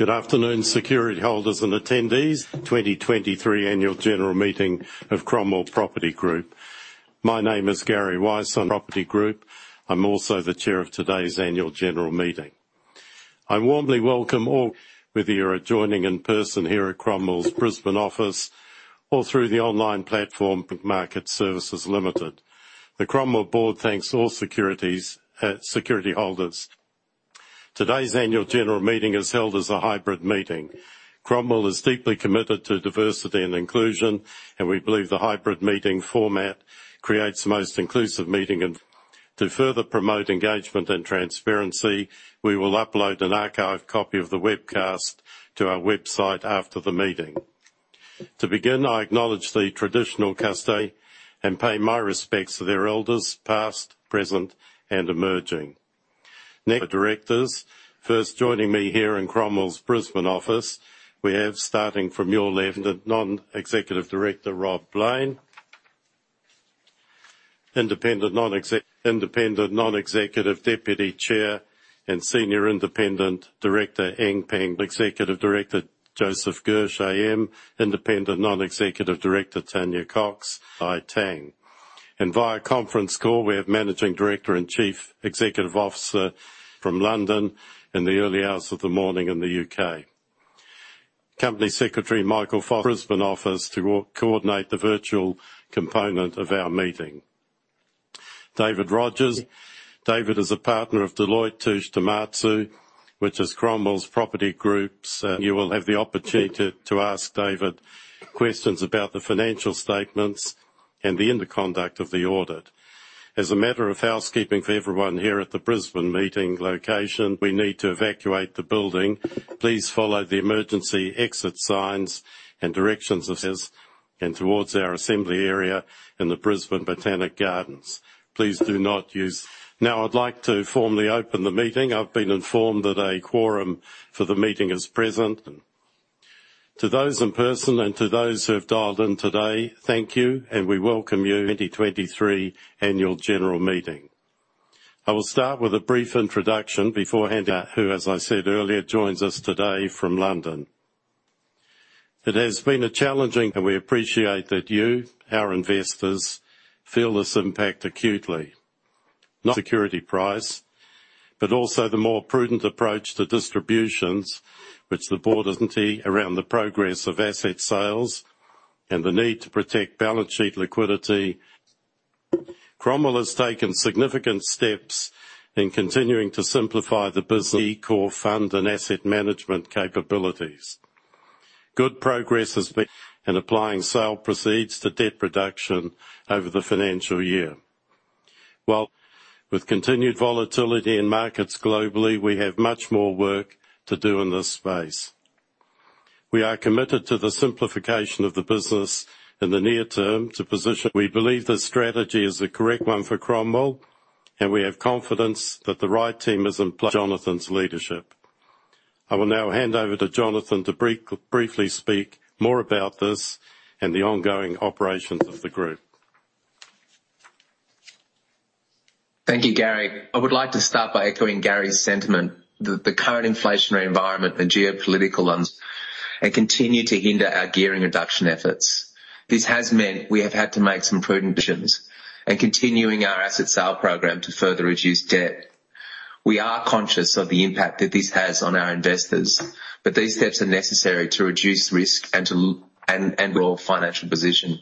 Good afternoon, security holders and attendees, 2023 annual general meeting of Cromwell Property Group. My name is Gary Weiss, Non-Executive Chair of Cromwell Property Group. I'm also the chair of today's annual general meeting. I warmly welcome all, whether you're joining in person here at Cromwell's Brisbane office or through the online platform, Link Market Services Limited. The Cromwell board thanks all securities, security holders. Today's annual general meeting is held as a hybrid meeting. Cromwell is deeply committed to diversity and inclusion, and we believe the hybrid meeting format creates the most inclusive meeting. To further promote engagement and transparency, we will upload an archive copy of the webcast to our website after the meeting. To begin, I acknowledge the traditional custodians, and pay my respects to their elders, past, present, and emerging. Now, the directors. First, joining me here in Cromwell's Brisbane office, we have, starting from your left, the non-executive director, Rob Blain. Independent non-executive deputy chair and senior independent director, Eng Peng, executive director, Joseph Gersh AM, independent non-executive director, Tanya Cox, Jialei Tang. And via conference call, we have Managing Director and Chief Executive Officer from London in the early hours of the morning in the U.K. Company Secretary Michael Foster from Brisbane office to coordinate the virtual component of our meeting. David Rogers. David is a partner of Deloitte Touche Tohmatsu, which is Cromwell Property Group's. You will have the opportunity to ask David questions about the financial statements and the conduct of the audit. As a matter of housekeeping for everyone here at the Brisbane meeting location, we need to evacuate the building. Please follow the emergency exit signs and directions and towards our assembly area in the Brisbane Botanic Gardens. Please do not use. Now, I'd like to formally open the meeting. I've been informed that a quorum for the meeting is present. To those in person and to those who have dialed in today, thank you, and we welcome you to 2023 annual general meeting. I will start with a brief introduction before handing out, who, as I said earlier, joins us today from London. It has been a challenging, and we appreciate that you, our investors, feel this impact acutely. Not security price, but also the more prudent approach to distributions which the board isn't around the progress of asset sales and the need to protect balance sheet liquidity. Cromwell has taken significant steps in continuing to simplify the business core fund and asset management capabilities. Good progress has been and applying sale proceeds to debt reduction over the financial year. Well, with continued volatility in markets globally, we have much more work to do in this space. We are committed to the simplification of the business in the near term to position. We believe this strategy is the correct one for Cromwell, and we have confidence that the right team is in place, Jonathan's leadership. I will now hand over to Jonathan to briefly speak more about this and the ongoing operations of the group. Thank you, Gary. I would like to start by echoing Gary's sentiment that the current inflationary environment and geopolitical ones continue to hinder our gearing reduction efforts. This has meant we have had to make some prudent decisions and continuing our asset sale program to further reduce debt. We are conscious of the impact that this has on our investors, but these steps are necessary to reduce risk and to lower and grow financial position.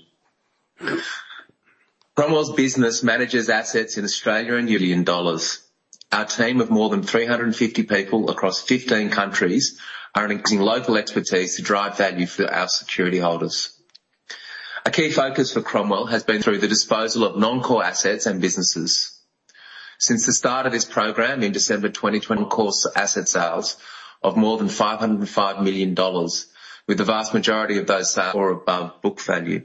Cromwell's business manages assets in Australia and million dollars. Our team of more than 350 people across 15 countries are increasing local expertise to drive value for our security holders. A key focus for Cromwell has been through the disposal of non-core assets and businesses. Since the start of this program in December 2020, core asset sales of more than 505 million dollars, with the vast majority of those sales for above book value.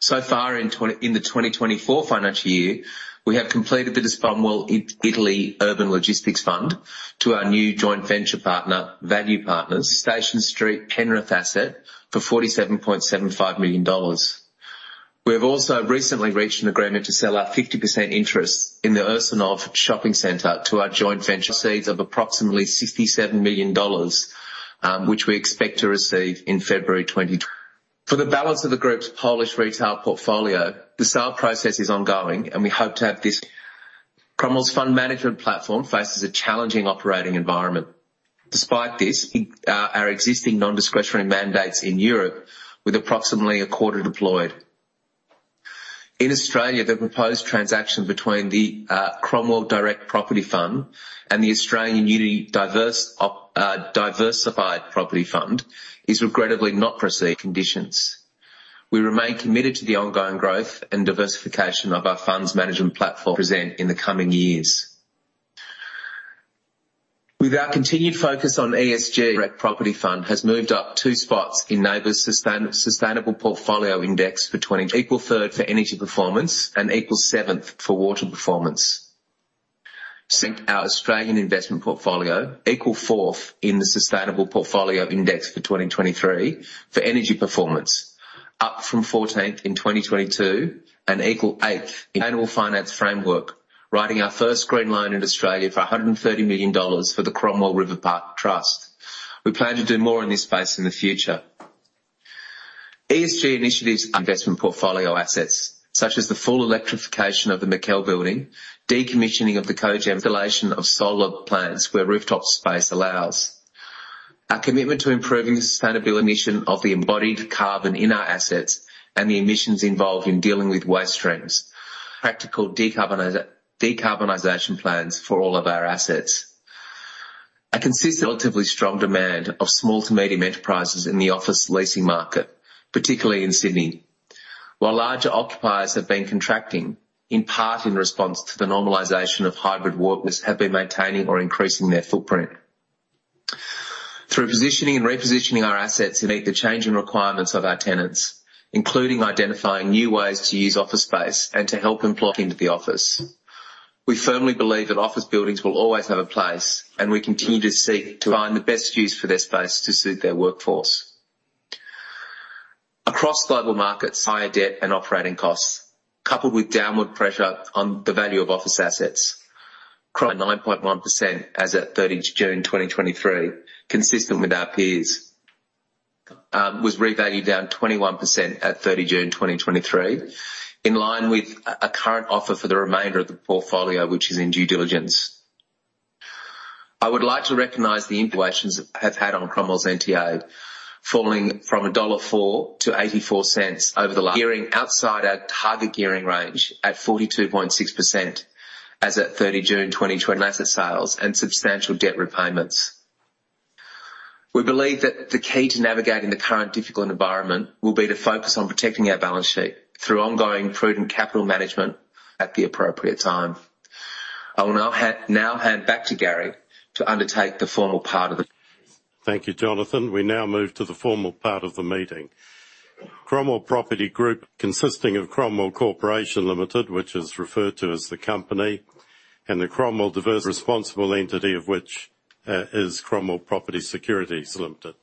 So far in the 2024 financial year, we have completed the Cromwell Italy Urban Logistics Fund to our new joint venture partner, Value Partners, Station Street, Penrith asset, for AUD 47.75 million. We have also recently reached an agreement to sell our 50% interest in the Ursynów Shopping Center to our joint venture partners for approximately AUD 67 million, which we expect to receive in February 2024. For the balance of the group's Polish retail portfolio, the sale process is ongoing, and we hope to have this. Cromwell's fund management platform faces a challenging operating environment. Despite this, in our existing non-discretionary mandates in Europe, with approximately a quarter deployed. In Australia, the proposed transaction between the Cromwell Direct Property Fund and the Australian Unity Diversified Property Fund is regrettably not perceived conditions. We remain committed to the ongoing growth and diversification of our funds management platform present in the coming years. With our continued focus on ESG, Direct Property Fund has moved up two spots in NABERS Sustainable Portfolio Index for 2023, equal third for energy performance and equal seventh for water performance. Since our Australian investment portfolio, equal fourth in the Sustainable Portfolio Index for 2023 for energy performance, up from fourteenth in 2022 and equal eighth. Annual finance framework, writing our first green loan in Australia for AUD 130 million for the Cromwell River Park Trust. We plan to do more in this space in the future. ESG initiatives, investment portfolio assets, such as the full electrification of the McKell building, decommissioning of the cogen installation of solar plants where rooftop space allows. Our commitment to improving sustainable emission of the embodied carbon in our assets and the emissions involved in dealing with waste streams, practical decarbonization plans for all of our assets. A consistent, relatively strong demand of small to medium enterprises in the office leasing market, particularly in Sydney. While larger occupiers have been contracting, in part in response to the normalization of hybrid workers, have been maintaining or increasing their footprint. Through positioning and repositioning our assets to meet the changing requirements of our tenants, including identifying new ways to use office space and to help them plot into the office. We firmly believe that office buildings will always have a place, and we continue to seek to find the best use for their space to suit their workforce. Across global markets, higher debt and operating costs, coupled with downward pressure on the value of office assets, declined 9.1% as at June 30, 2023, consistent with our peers, was revalued down 21% at June 30, 2023, in line with a current offer for the remainder of the portfolio, which is in due diligence. I would like to recognize the inflations have had on Cromwell's NTA, falling from dollar 1.04 to 0.84 over the last- Gearing outside our target gearing range at 42.6% as at June 30, 2023- asset sales and substantial debt repayments. We believe that the key to navigating the current difficult environment will be to focus on protecting our balance sheet through ongoing prudent capital management at the appropriate time. I will now hand back to Gary to undertake the formal part of the- Thank you, Jonathan. We now move to the formal part of the meeting. Cromwell Property Group, consisting of Cromwell Corporation Limited, which is referred to as the company, and the Cromwell Diversified Property Trust, responsible entity of which is Cromwell Property Securities Limited.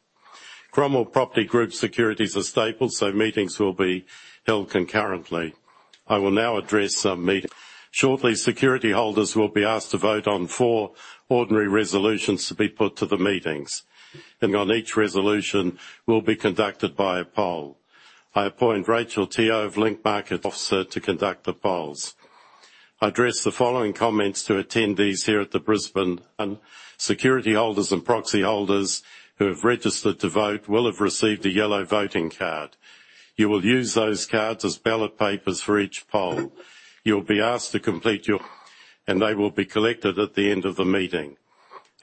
Cromwell Property Group securities are stapled, so meetings will be held concurrently. I will now address the meeting. Shortly, security holders will be asked to vote on four ordinary resolutions to be put to the meetings, and on each resolution will be conducted by a poll. I appoint Rachel Teo of Link Market Services to conduct the polls. I address the following comments to attendees here at the Brisbane, and security holders and proxy holders who have registered to vote will have received a yellow voting card. You will use those cards as ballot papers for each poll. You will be asked to complete your and they will be collected at the end of the meeting.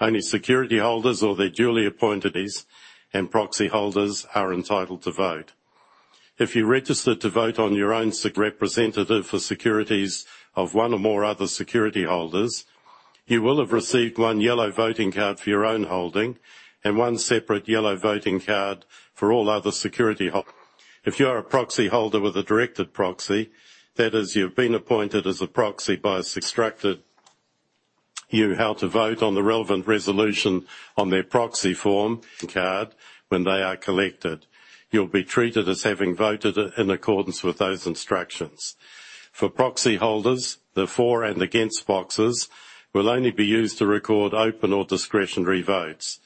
Only security holders or their duly appointees and proxy holders are entitled to vote. If you registered to vote on your own securities representative for securities of one or more other security holders, you will have received one yellow voting card for your own holding and one separate yellow voting card for all other security holdings. If you are a proxy holder with a directed proxy, that is, you've been appointed as a proxy by a instructed you how to vote on the relevant resolution on their proxy form card when they are collected. You'll be treated as having voted in accordance with those instructions. For proxy holders, the for and against boxes will only be used to record open or discretionary votes.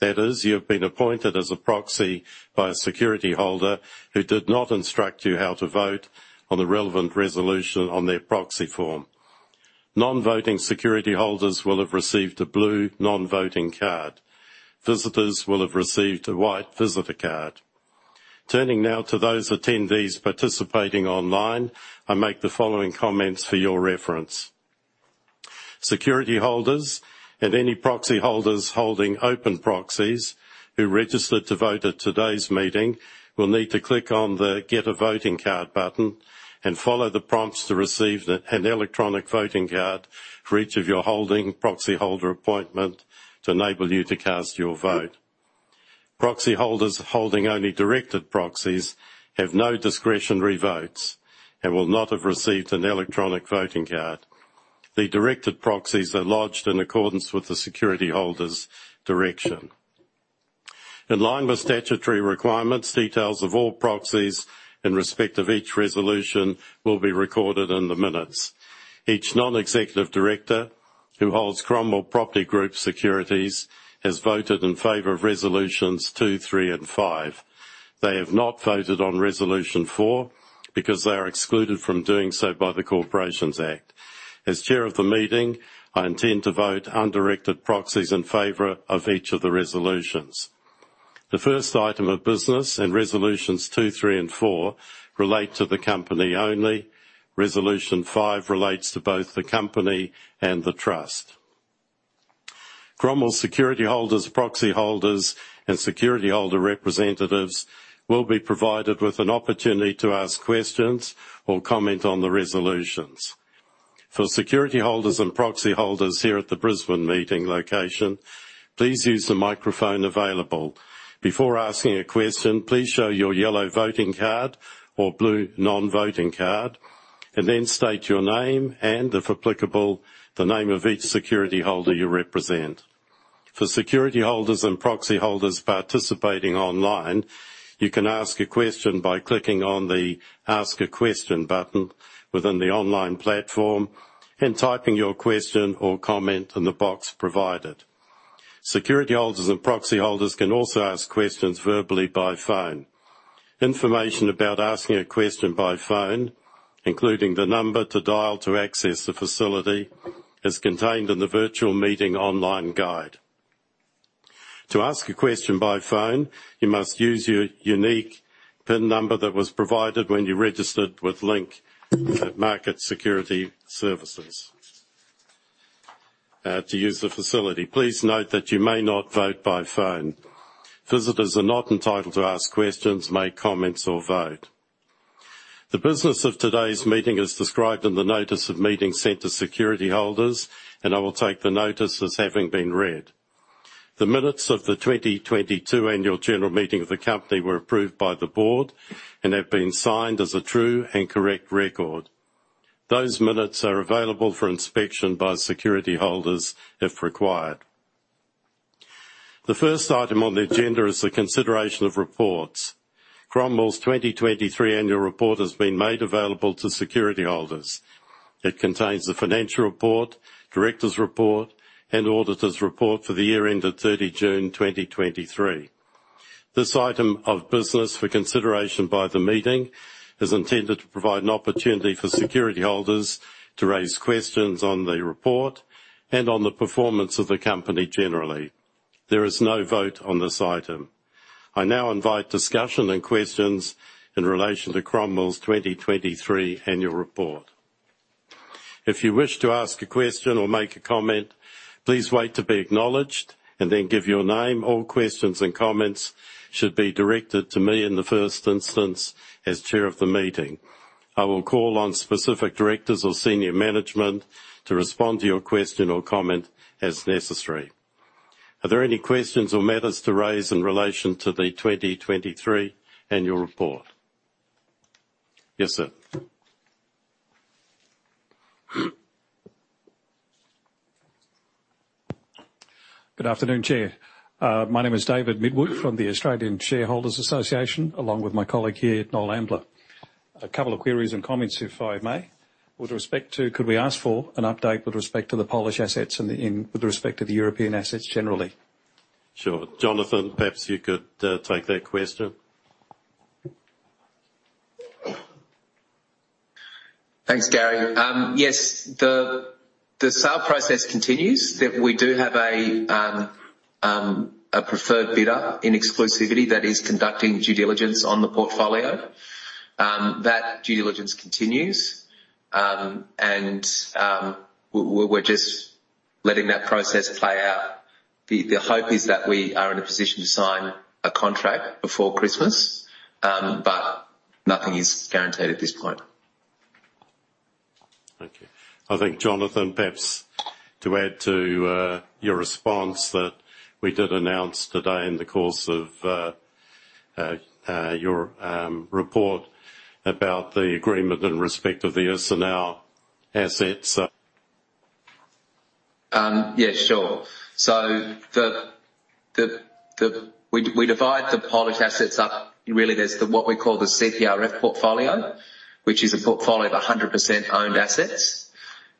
That is, you've been appointed as a proxy by a security holder who did not instruct you how to vote on the relevant resolution on their proxy form. Non-voting security holders will have received a blue non-voting card. Visitors will have received a white visitor card. Turning now to those attendees participating online, I make the following comments for your reference: Security holders and any proxy holders holding open proxies who registered to vote at today's meeting will need to click on the Get a Voting Card button and follow the prompts to receive an electronic voting card for each of your holding proxy holder appointment to enable you to cast your vote. Proxy holders holding only directed proxies have no discretionary votes and will not have received an electronic voting card. The directed proxies are lodged in accordance with the security holder's direction. In line with statutory requirements, details of all proxies in respect of each resolution will be recorded in the minutes. Each non-executive director who holds Cromwell Property Group securities has voted in favor of resolutions two, three, and five. They have not voted on resolution four because they are excluded from doing so by the Corporations Act. As chair of the meeting, I intend to vote undirected proxies in favor of each of the resolutions. The first item of business and resolutions two, three, and four relate to the company only. Resolution five relates to both the company and the trust. Cromwell security holders, proxy holders, and security holder representatives will be provided with an opportunity to ask questions or comment on the resolutions. For security holders and proxy holders here at the Brisbane meeting location, please use the microphone available. Before asking a question, please show your yellow voting card or blue non-voting card, and then state your name, and if applicable, the name of each security holder you represent. For security holders and proxy holders participating online, you can ask a question by clicking on the Ask a Question button within the online platform and typing your question or comment in the box provided. Security holders and proxy holders can also ask questions verbally by phone. Information about asking a question by phone, including the number to dial to access the facility, is contained in the virtual meeting online guide. To ask a question by phone, you must use your unique PIN number that was provided when you registered with Link Market Services to use the facility. Please note that you may not vote by phone. Visitors are not entitled to ask questions, make comments, or vote. The business of today's meeting is described in the notice of meeting sent to security holders, and I will take the notice as having been read. The minutes of the 2022 annual general meeting of the company were approved by the board and have been signed as a true and correct record. Those minutes are available for inspection by security holders if required. The first item on the agenda is the consideration of reports. Cromwell's 2023 annual report has been made available to security holders. It contains the financial report, directors' report, and auditors' report for the year ended June 30, 2023. This item of business for consideration by the meeting is intended to provide an opportunity for security holders to raise questions on the report and on the performance of the company generally. There is no vote on this item. I now invite discussion and questions in relation to Cromwell's 2023 annual report. If you wish to ask a question or make a comment, please wait to be acknowledged and then give your name. All questions and comments should be directed to me in the first instance, as chair of the meeting. I will call on specific directors or senior management to respond to your question or comment as necessary. Are there any questions or matters to raise in relation to the 2023 annual report? Yes, sir. Good afternoon, Chair. My name is David Midwood from the Australian Shareholders Association, along with my colleague here, Noel Ambler. A couple of queries and comments, if I may, with respect to... Could we ask for an update with respect to the Polish assets and with respect to the European assets generally? Sure. Jonathan, perhaps you could take that question. Thanks, Gary. Yes, the sale process continues, that we do have a preferred bidder in exclusivity that is conducting due diligence on the portfolio. That due diligence continues. And we're just letting that process play out. The hope is that we are in a position to sign a contract before Christmas, but nothing is guaranteed at this point. Thank you. I think, Jonathan, perhaps to add to your response that we did announce today in the course of your report about the agreement in respect of the S&L assets. Yeah, sure. So we divide the Polish assets up. Really, there's what we call the CPRF portfolio, which is a portfolio of 100% owned assets.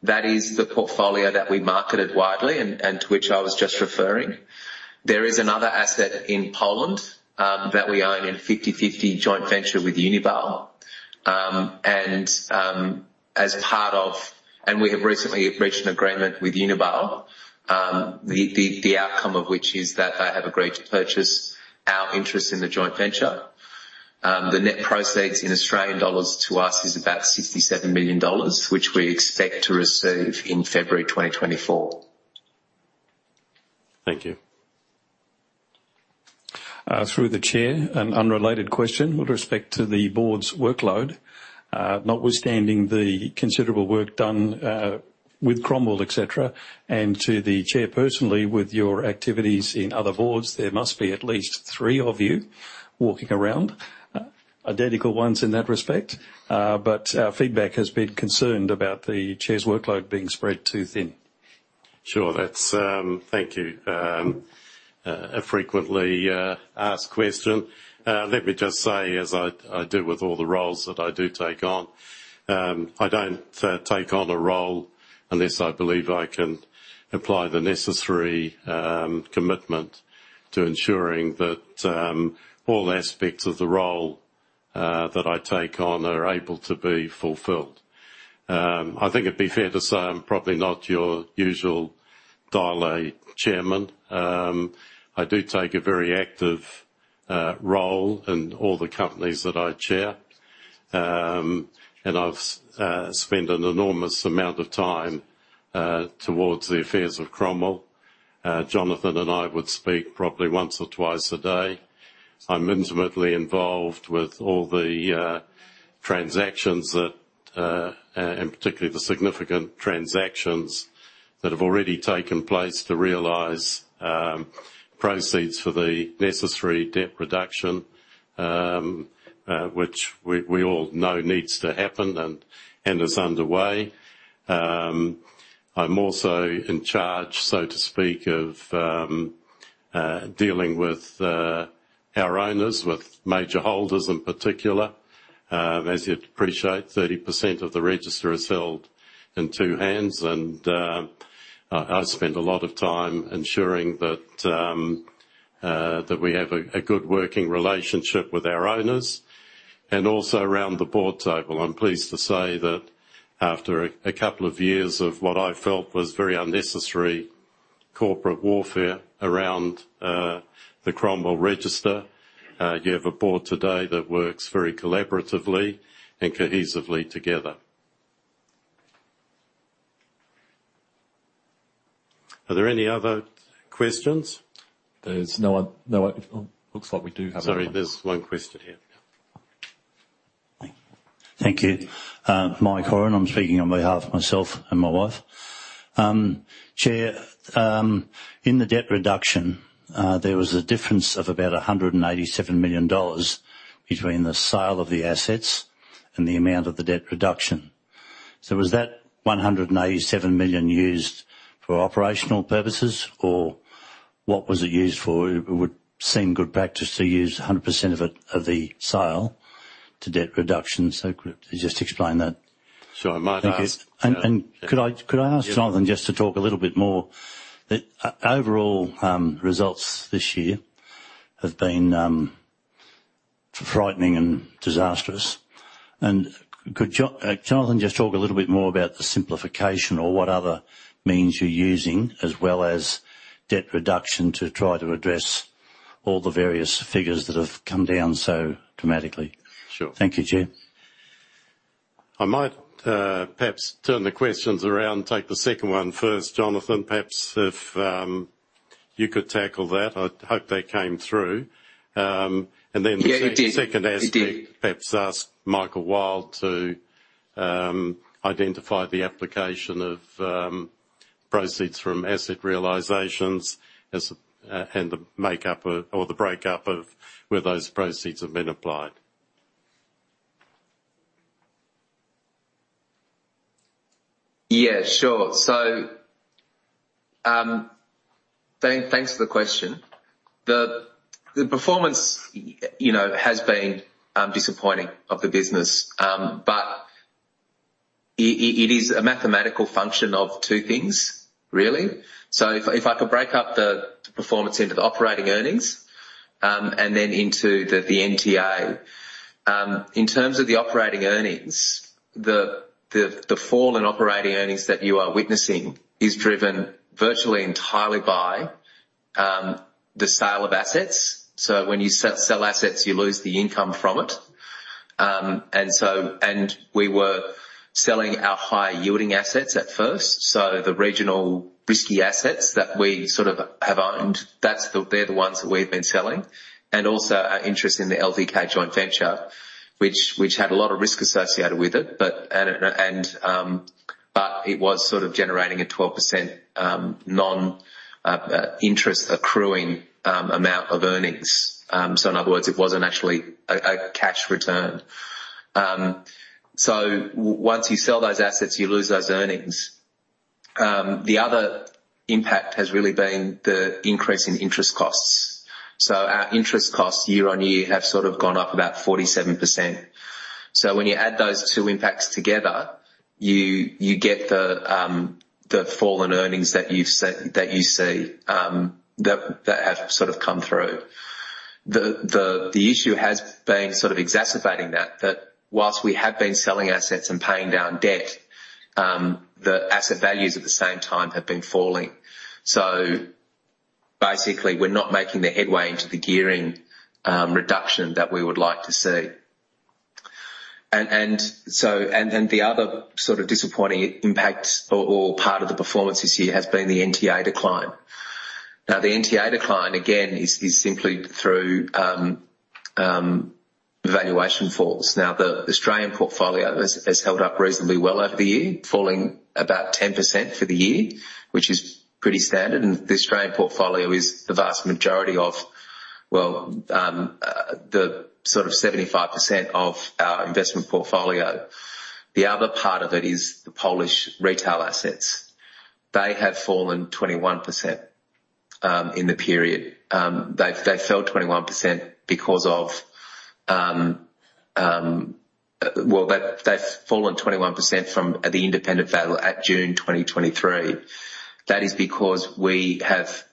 That is the portfolio that we marketed widely and to which I was just referring. There is another asset in Poland that we own in 50/50 joint venture with Unibail. We have recently reached an agreement with Unibail, the outcome of which is that they have agreed to purchase our interest in the joint venture. The net proceeds in Australian dollars to us is about 67 million dollars, which we expect to receive in February 2024. Thank you. Through the Chair, an unrelated question with respect to the board's workload. Notwithstanding the considerable work done, with Cromwell, et cetera, and to the Chair personally, with your activities in other boards, there must be at least three of you walking around, identical ones in that respect. But our feedback has been concerned about the Chair's workload being spread too thin. Sure. That's thank you. A frequently asked question. Let me just say, as I do with all the roles that I do take on, I don't take on a role unless I believe I can apply the necessary commitment to ensuring that all aspects of the role that I take on are able to be fulfilled. I think it'd be fair to say I'm probably not your usual Dial-A chairman. I do take a very active role in all the companies that I chair. And I've spent an enormous amount of time towards the affairs of Cromwell. Jonathan and I would speak probably once or twice a day. I'm intimately involved with all the transactions that and particularly the significant transactions that have already taken place to realize proceeds for the necessary debt reduction which we all know needs to happen and is underway. I'm also in charge, so to speak, of dealing with our owners, with major holders in particular. As you'd appreciate, 30% of the register is held in two hands, and I spent a lot of time ensuring that we have a good working relationship with our owners and also around the board table. I'm pleased to say that after a couple of years of what I felt was very unnecessary corporate warfare around the Cromwell register, you have a board today that works very collaboratively and cohesively together. Are there any other questions? There's no other. Looks like we do have- Sorry, there's one question here. Thank you. Mike Horan, I'm speaking on behalf of myself and my wife. Chair, in the debt reduction, there was a difference of about 187 million dollars between the sale of the assets and the amount of the debt reduction. So was that 187 million used for operational purposes, or what was it used for? It would seem good practice to use 100% of it, of the sale to debt reduction. So could you just explain that? Sure. I might ask- Could I ask Jonathan just to talk a little bit more? The overall results this year have been frightening and disastrous. Could Jonathan just talk a little bit more about the simplification or what other means you're using, as well as debt reduction, to try to address all the various figures that have come down so dramatically. Sure. Thank you, Chair. I might, perhaps turn the questions around and take the second one first, Jonathan. Perhaps if you could tackle that. I'd hope that came through. And then- Yeah, it did. The second aspect- It did. Perhaps ask Michael Wilde to identify the application of proceeds from asset realizations as, and the makeup of, or the breakup of where those proceeds have been applied. Yeah, sure. So, thanks for the question. The performance, you know, has been disappointing of the business. But it is a mathematical function of two things, really. So if I could break up the performance into the operating earnings, and then into the NTA. In terms of the operating earnings, the fall in operating earnings that you are witnessing is driven virtually entirely by the sale of assets. So when you sell assets, you lose the income from it. And so—and we were selling our higher-yielding assets at first, so the regional risky assets that we sort of have owned, that's the... They're the ones that we've been selling, and also our interest in the LDK joint venture, which had a lot of risk associated with it. But it was sort of generating a 12% non-interest accruing amount of earnings. So in other words, it wasn't actually a cash return. So once you sell those assets, you lose those earnings. The other impact has really been the increase in interest costs. So our interest costs year-on-year have sort of gone up about 47%. So when you add those two impacts together, you get the fall in earnings that you've seen that you see, that have sort of come through. The issue has been sort of exacerbating that whilst we have been selling assets and paying down debt, the asset values at the same time have been falling. So basically, we're not making the headway into the gearing reduction that we would like to see. And, and so, and then the other sort of disappointing impact or, or part of the performance this year has been the NTA decline. Now, the NTA decline, again, is, is simply through valuation falls. Now, the Australian portfolio has, has held up reasonably well over the year, falling about 10% for the year, which is pretty standard. And the Australian portfolio is the vast majority of, well, the sort of 75% of our investment portfolio. The other part of it is the Polish retail assets. They have fallen 21% in the period. They, they fell 21% because of... Well, they, they've fallen 21% from the independent value at June 2023. That is because we have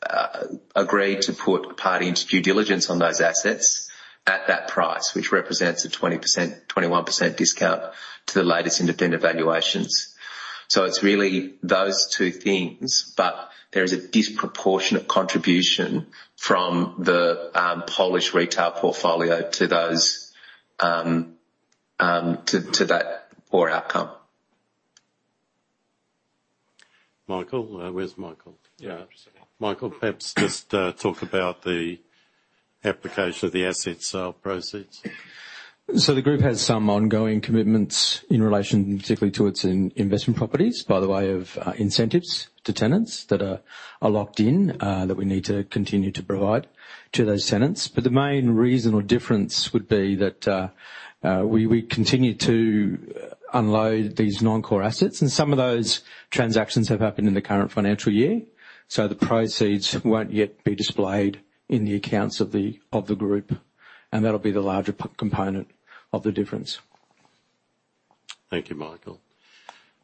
agreed to put a party into due diligence on those assets at that price, which represents a 20%-21% discount to the latest independent valuations. So it's really those two things, but there is a disproportionate contribution from the Polish retail portfolio to that poor outcome. Michael? Where's Michael? Yeah. Michael, perhaps just, talk about the application of the asset sale proceeds. So the group has some ongoing commitments in relation particularly to its investment properties, by way of incentives to tenants that are locked in that we need to continue to provide to those tenants. But the main reason or difference would be that we continue to unload these non-core assets, and some of those transactions have happened in the current financial year, so the proceeds won't yet be displayed in the accounts of the group, and that'll be the larger component of the difference.... Thank you, Michael.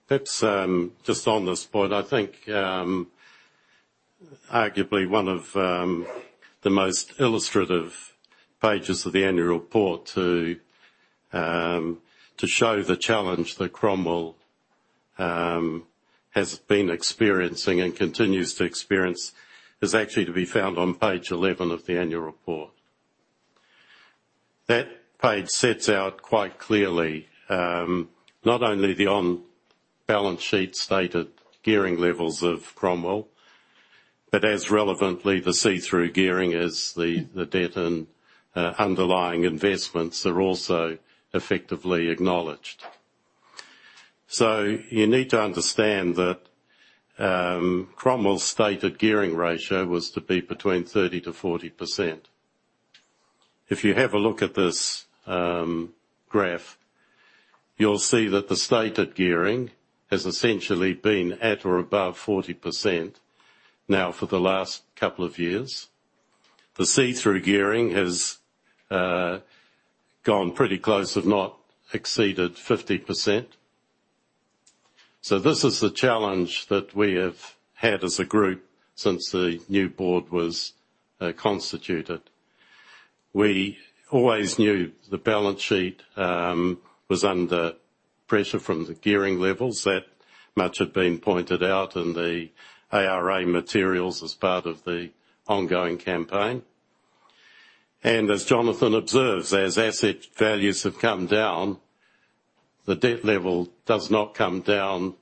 Perhaps just on this point, I think arguably one of the most illustrative pages of the annual report to show the challenge that Cromwell has been experiencing and continues to experience is actually to be found on page 11 of the annual report. That page sets out quite clearly not only the on-balance sheet stated gearing levels of Cromwell, but as relevantly, the See-Through Gearing as the debt and underlying investments are also effectively acknowledged. So you need to understand that Cromwell's stated gearing ratio was to be between 30%-40%. If you have a look at this graph, you'll see that the stated gearing has essentially been at or above 40% now for the last couple of years. The See-Through Gearing has gone pretty close, if not exceeded 50%. So this is the challenge that we have had as a group since the new board was constituted. We always knew the balance sheet was under pressure from the gearing levels. That much had been pointed out in the ARA materials as part of the ongoing campaign. And as Jonathan observes, as asset values have come down, the debt level does not come down.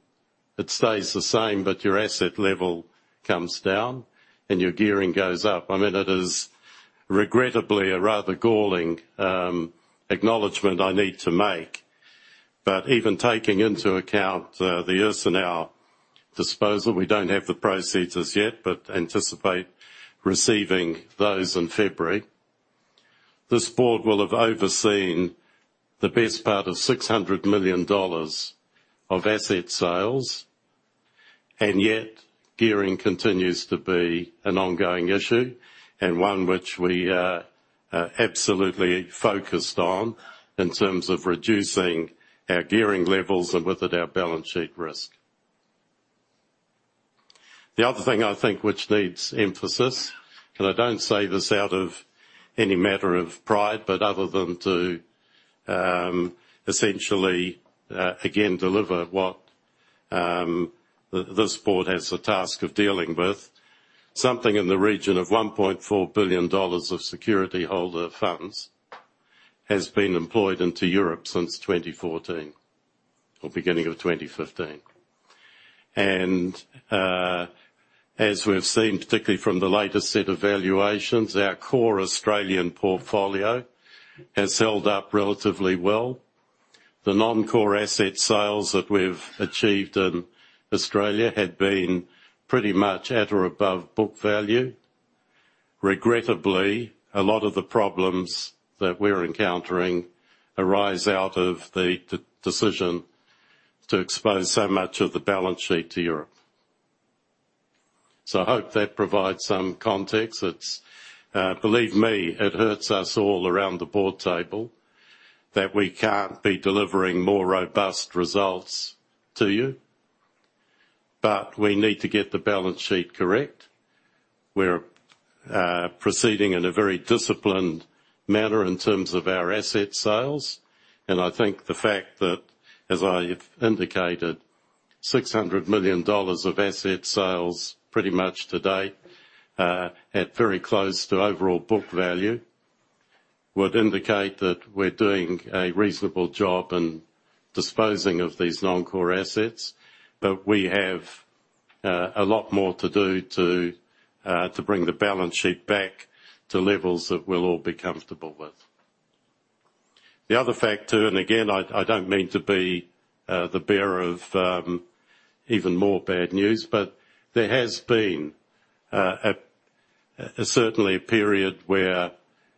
It stays the same, but your asset level comes down and your gearing goes up. I mean, it is regrettably a rather galling acknowledgment I need to make. But even taking into account the Ursynów disposal, we don't have the proceeds as yet, but anticipate receiving those in February. This board will have overseen the best part of 600 million dollars of asset sales, and yet gearing continues to be an ongoing issue and one which we are, are absolutely focused on in terms of reducing our gearing levels and with it, our balance sheet risk. The other thing, I think, which needs emphasis, and I don't say this out of any matter of pride, but other than to, essentially, again, deliver what, this board has the task of dealing with. Something in the region of 1.4 billion dollars of security holder funds has been employed into Europe since 2014 or beginning of 2015. And, as we've seen, particularly from the latest set of valuations, our core Australian portfolio has held up relatively well. The non-core asset sales that we've achieved in Australia had been pretty much at or above book value. Regrettably, a lot of the problems that we're encountering arise out of the decision to expose so much of the balance sheet to Europe. So I hope that provides some context. It's, Believe me, it hurts us all around the board table that we can't be delivering more robust results to you, but we need to get the balance sheet correct. We're proceeding in a very disciplined manner in terms of our asset sales, and I think the fact that, as I indicated, 600 million dollars of asset sales pretty much to date, at very close to overall book value, would indicate that we're doing a reasonable job in disposing of these non-core assets. But we have a lot more to do to bring the balance sheet back to levels that we'll all be comfortable with. The other factor, and again, I don't mean to be the bearer of even more bad news, but there has been certainly a period where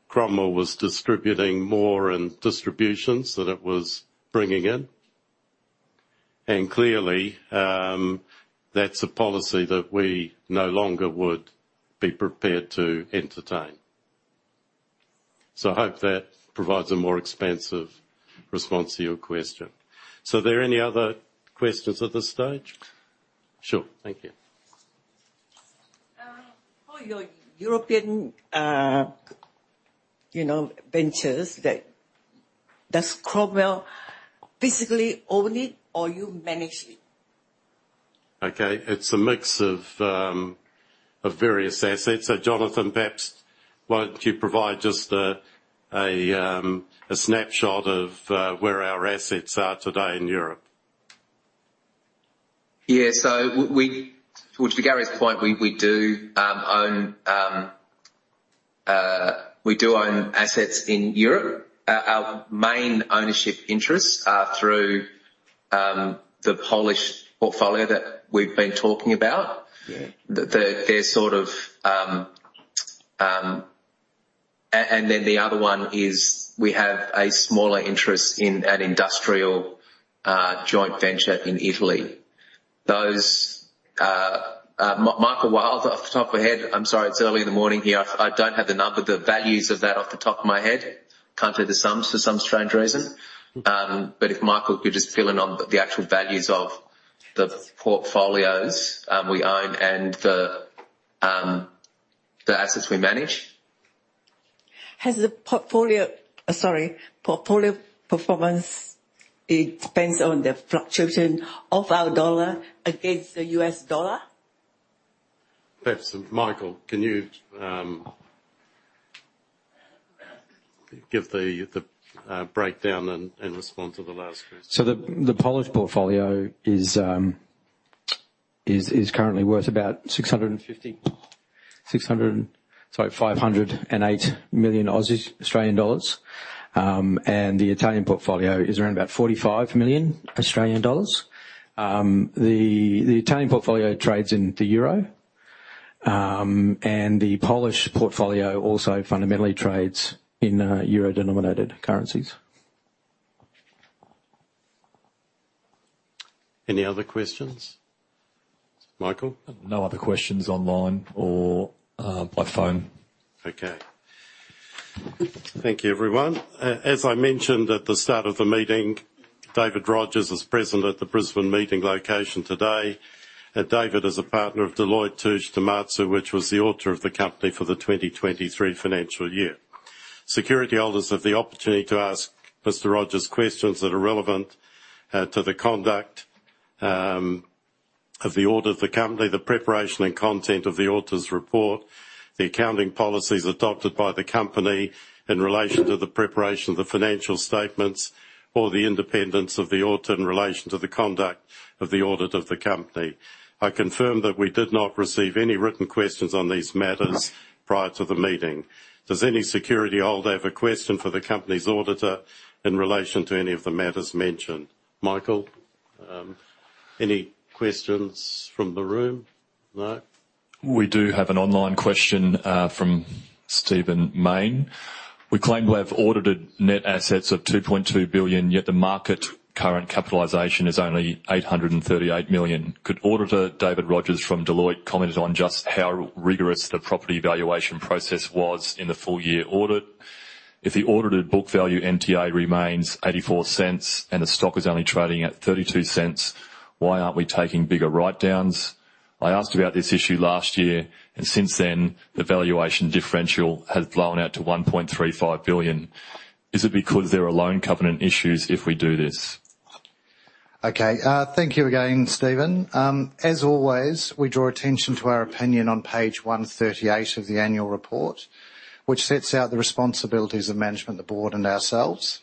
Cromwell was distributing more in distributions than it was bringing in. And clearly, that's a policy that we no longer would be prepared to entertain. So I hope that provides a more expansive response to your question. So are there any other questions at this stage? Sure. Thank you. For your European ventures, you know, does Cromwell physically own it or you manage it? Okay, it's a mix of various assets. So, Jonathan, perhaps why don't you provide just a snapshot of where our assets are today in Europe? Yeah. So to Gary's point, we, we do own assets in Europe. Our main ownership interests are through the Polish portfolio that we've been talking about. Yeah. And then the other one is we have a smaller interest in an industrial joint venture in Italy. Those. Michael Wilde, off the top of my head, I'm sorry, it's early in the morning here. I don't have the number, the values of that off the top of my head. Can't do the sums for some strange reason. But if Michael could just fill in on the actual values of the portfolios we own and the assets we manage. Has the portfolio... Sorry, portfolio performance, it depends on the fluctuation of our dollar against the U.S. dollar? Perhaps, Michael, can you give the breakdown and respond to the last question? So the Polish portfolio is currently worth about 508 million Australian dollars. And the Italian portfolio is around about 45 million Australian dollars. The Italian portfolio trades in the euro, and the Polish portfolio also fundamentally trades in euro-denominated currencies. Any other questions? Michael? No other questions online or by phone. Okay. Thank you, everyone. As I mentioned at the start of the meeting, David Rogers is present at the Brisbane meeting location today. David is a partner of Deloitte Touche Tohmatsu, which was the auditor of the company for the 2023 financial year. Security holders have the opportunity to ask Mr. Rogers questions that are relevant to the conduct of the audit of the company, the preparation and content of the auditor's report, the accounting policies adopted by the company in relation to the preparation of the financial statements, or the independence of the auditor in relation to the conduct of the audit of the company. I confirm that we did not receive any written questions on these matters prior to the meeting. Does any security holder have a question for the company's auditor in relation to any of the matters mentioned? Michael, any questions from the room? No. We do have an online question from Stephen Mayne. "We claim to have audited net assets of 2.2 billion, yet the market capitalization is only 838 million. Could auditor David Rogers from Deloitte comment on just how rigorous the property valuation process was in the full year audit? If the audited book value NTA remains 0.84 and the stock is only trading at 0.32, why aren't we taking bigger write-downs? I asked about this issue last year, and since then, the valuation differential has blown out to 1.35 billion. Is it because there are loan covenant issues if we do this? Okay. Thank you again, Steven. As always, we draw attention to our opinion on page 138 of the annual report, which sets out the responsibilities of management, the board, and ourselves.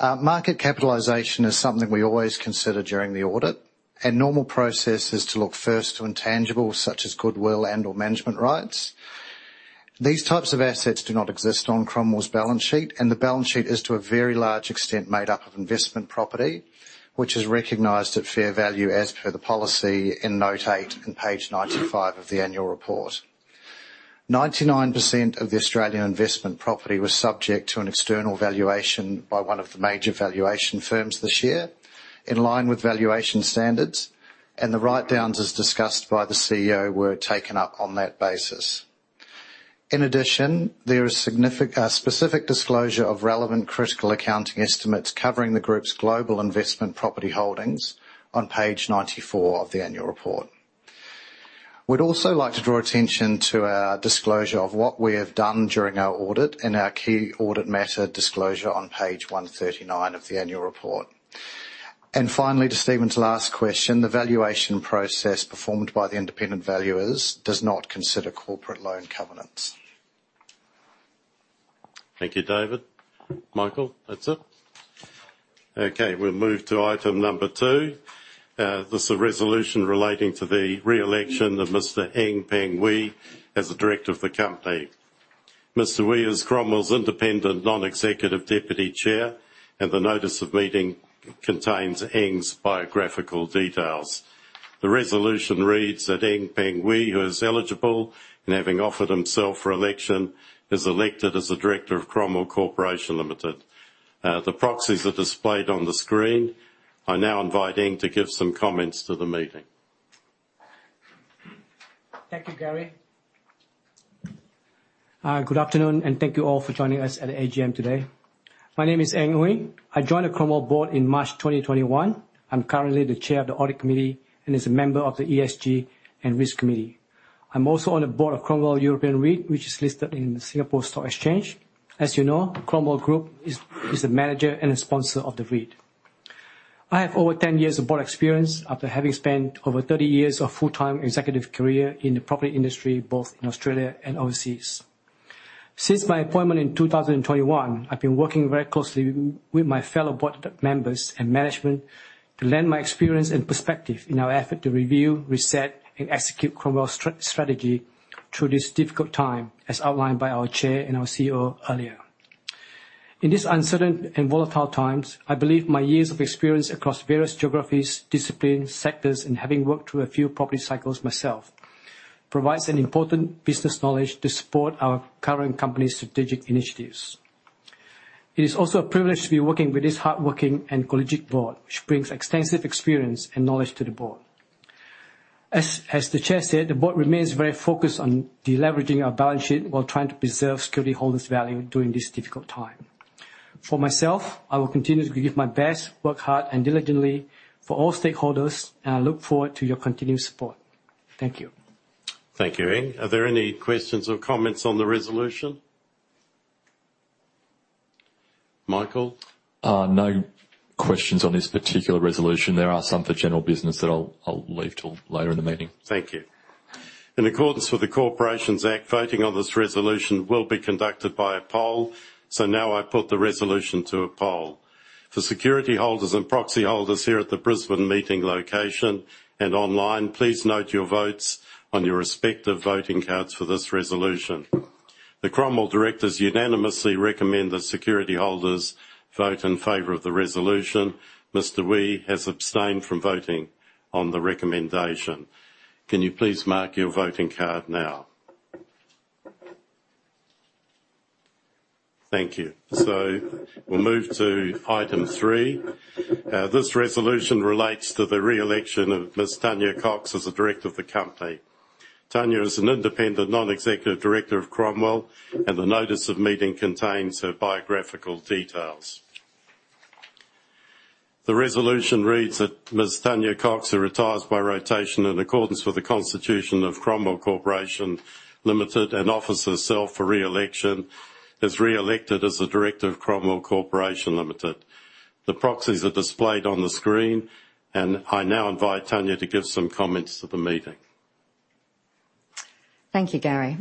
Market capitalization is something we always consider during the audit, and normal process is to look first to intangibles such as goodwill and/or management rights. These types of assets do not exist on Cromwell's balance sheet, and the balance sheet is, to a very large extent, made up of investment property, which is recognized at fair value as per the policy in note eight and page 95 of the annual report. 99% of the Australian investment property was subject to an external valuation by one of the major valuation firms this year, in line with valuation standards, and the write-downs, as discussed by the CEO, were taken up on that basis. In addition, there is a specific disclosure of relevant critical accounting estimates covering the group's global investment property holdings on page 94 of the annual report. We'd also like to draw attention to our disclosure of what we have done during our audit and our key audit matter disclosure on page 139 of the annual report. And finally, to Steven's last question, the valuation process performed by the independent valuers does not consider corporate loan covenants. Thank you, David. Michael, that's it? Okay, we'll move to item number two. This is a resolution relating to the re-election of Mr. Eng Peng Ooi as a director of the company. Mr. Ooi is Cromwell's independent non-executive deputy chair, and the notice of meeting contains Eng's biographical details. The resolution reads that Eng Peng Ooi, who is eligible and having offered himself for election, is elected as a director of Cromwell Corporation Limited. The proxies are displayed on the screen. I now invite Eng to give some comments to the meeting. Thank you, Gary. Good afternoon, and thank you all for joining us at the AGM today. My name is Eng Ooi. I joined the Cromwell board in March 2021. I'm currently the chair of the audit committee and as a member of the ESG and risk committee. I'm also on the board of Cromwell European REIT, which is listed in the Singapore Stock Exchange. As you know, Cromwell Group is the manager and a sponsor of the REIT. I have over 10 years of board experience after having spent over 30 years of full-time executive career in the property industry, both in Australia and overseas. Since my appointment in 2021, I've been working very closely with my fellow board members and management to lend my experience and perspective in our effort to review, reset, and execute Cromwell's strategy through this difficult time, as outlined by our Chair and our CEO earlier. In this uncertain and volatile times, I believe my years of experience across various geographies, disciplines, sectors, and having worked through a few property cycles myself, provides an important business knowledge to support our current company's strategic initiatives.... It is also a privilege to be working with this hardworking and collegial board, which brings extensive experience and knowledge to the board. As the Chair said, the board remains very focused on deleveraging our balance sheet while trying to preserve security holders' value during this difficult time. For myself, I will continue to give my best, work hard and diligently for all stakeholders, and I look forward to your continued support. Thank you. Thank you, Eng. Are there any questions or comments on the resolution? Michael? No questions on this particular resolution. There are some for general business that I'll leave till later in the meeting. Thank you. In accordance with the Corporations Act, voting on this resolution will be conducted by a poll. So now I put the resolution to a poll. For security holders and proxy holders here at the Brisbane meeting location and online, please note your votes on your respective voting cards for this resolution. The Cromwell directors unanimously recommend that security holders vote in favor of the resolution. Mr. Weiss has abstained from voting on the recommendation. Can you please mark your voting card now? Thank you. So we'll move to item three. This resolution relates to the reelection of Ms. Tanya Cox as a director of the company. Tanya is an independent non-executive director of Cromwell, and the notice of meeting contains her biographical details. The resolution reads that Ms. Tanya Cox, who retires by rotation in accordance with the Constitution of Cromwell Corporation Limited, and offers herself for reelection, is reelected as a director of Cromwell Corporation Limited. The proxies are displayed on the screen, and I now invite Tanya to give some comments to the meeting. Thank you, Gary.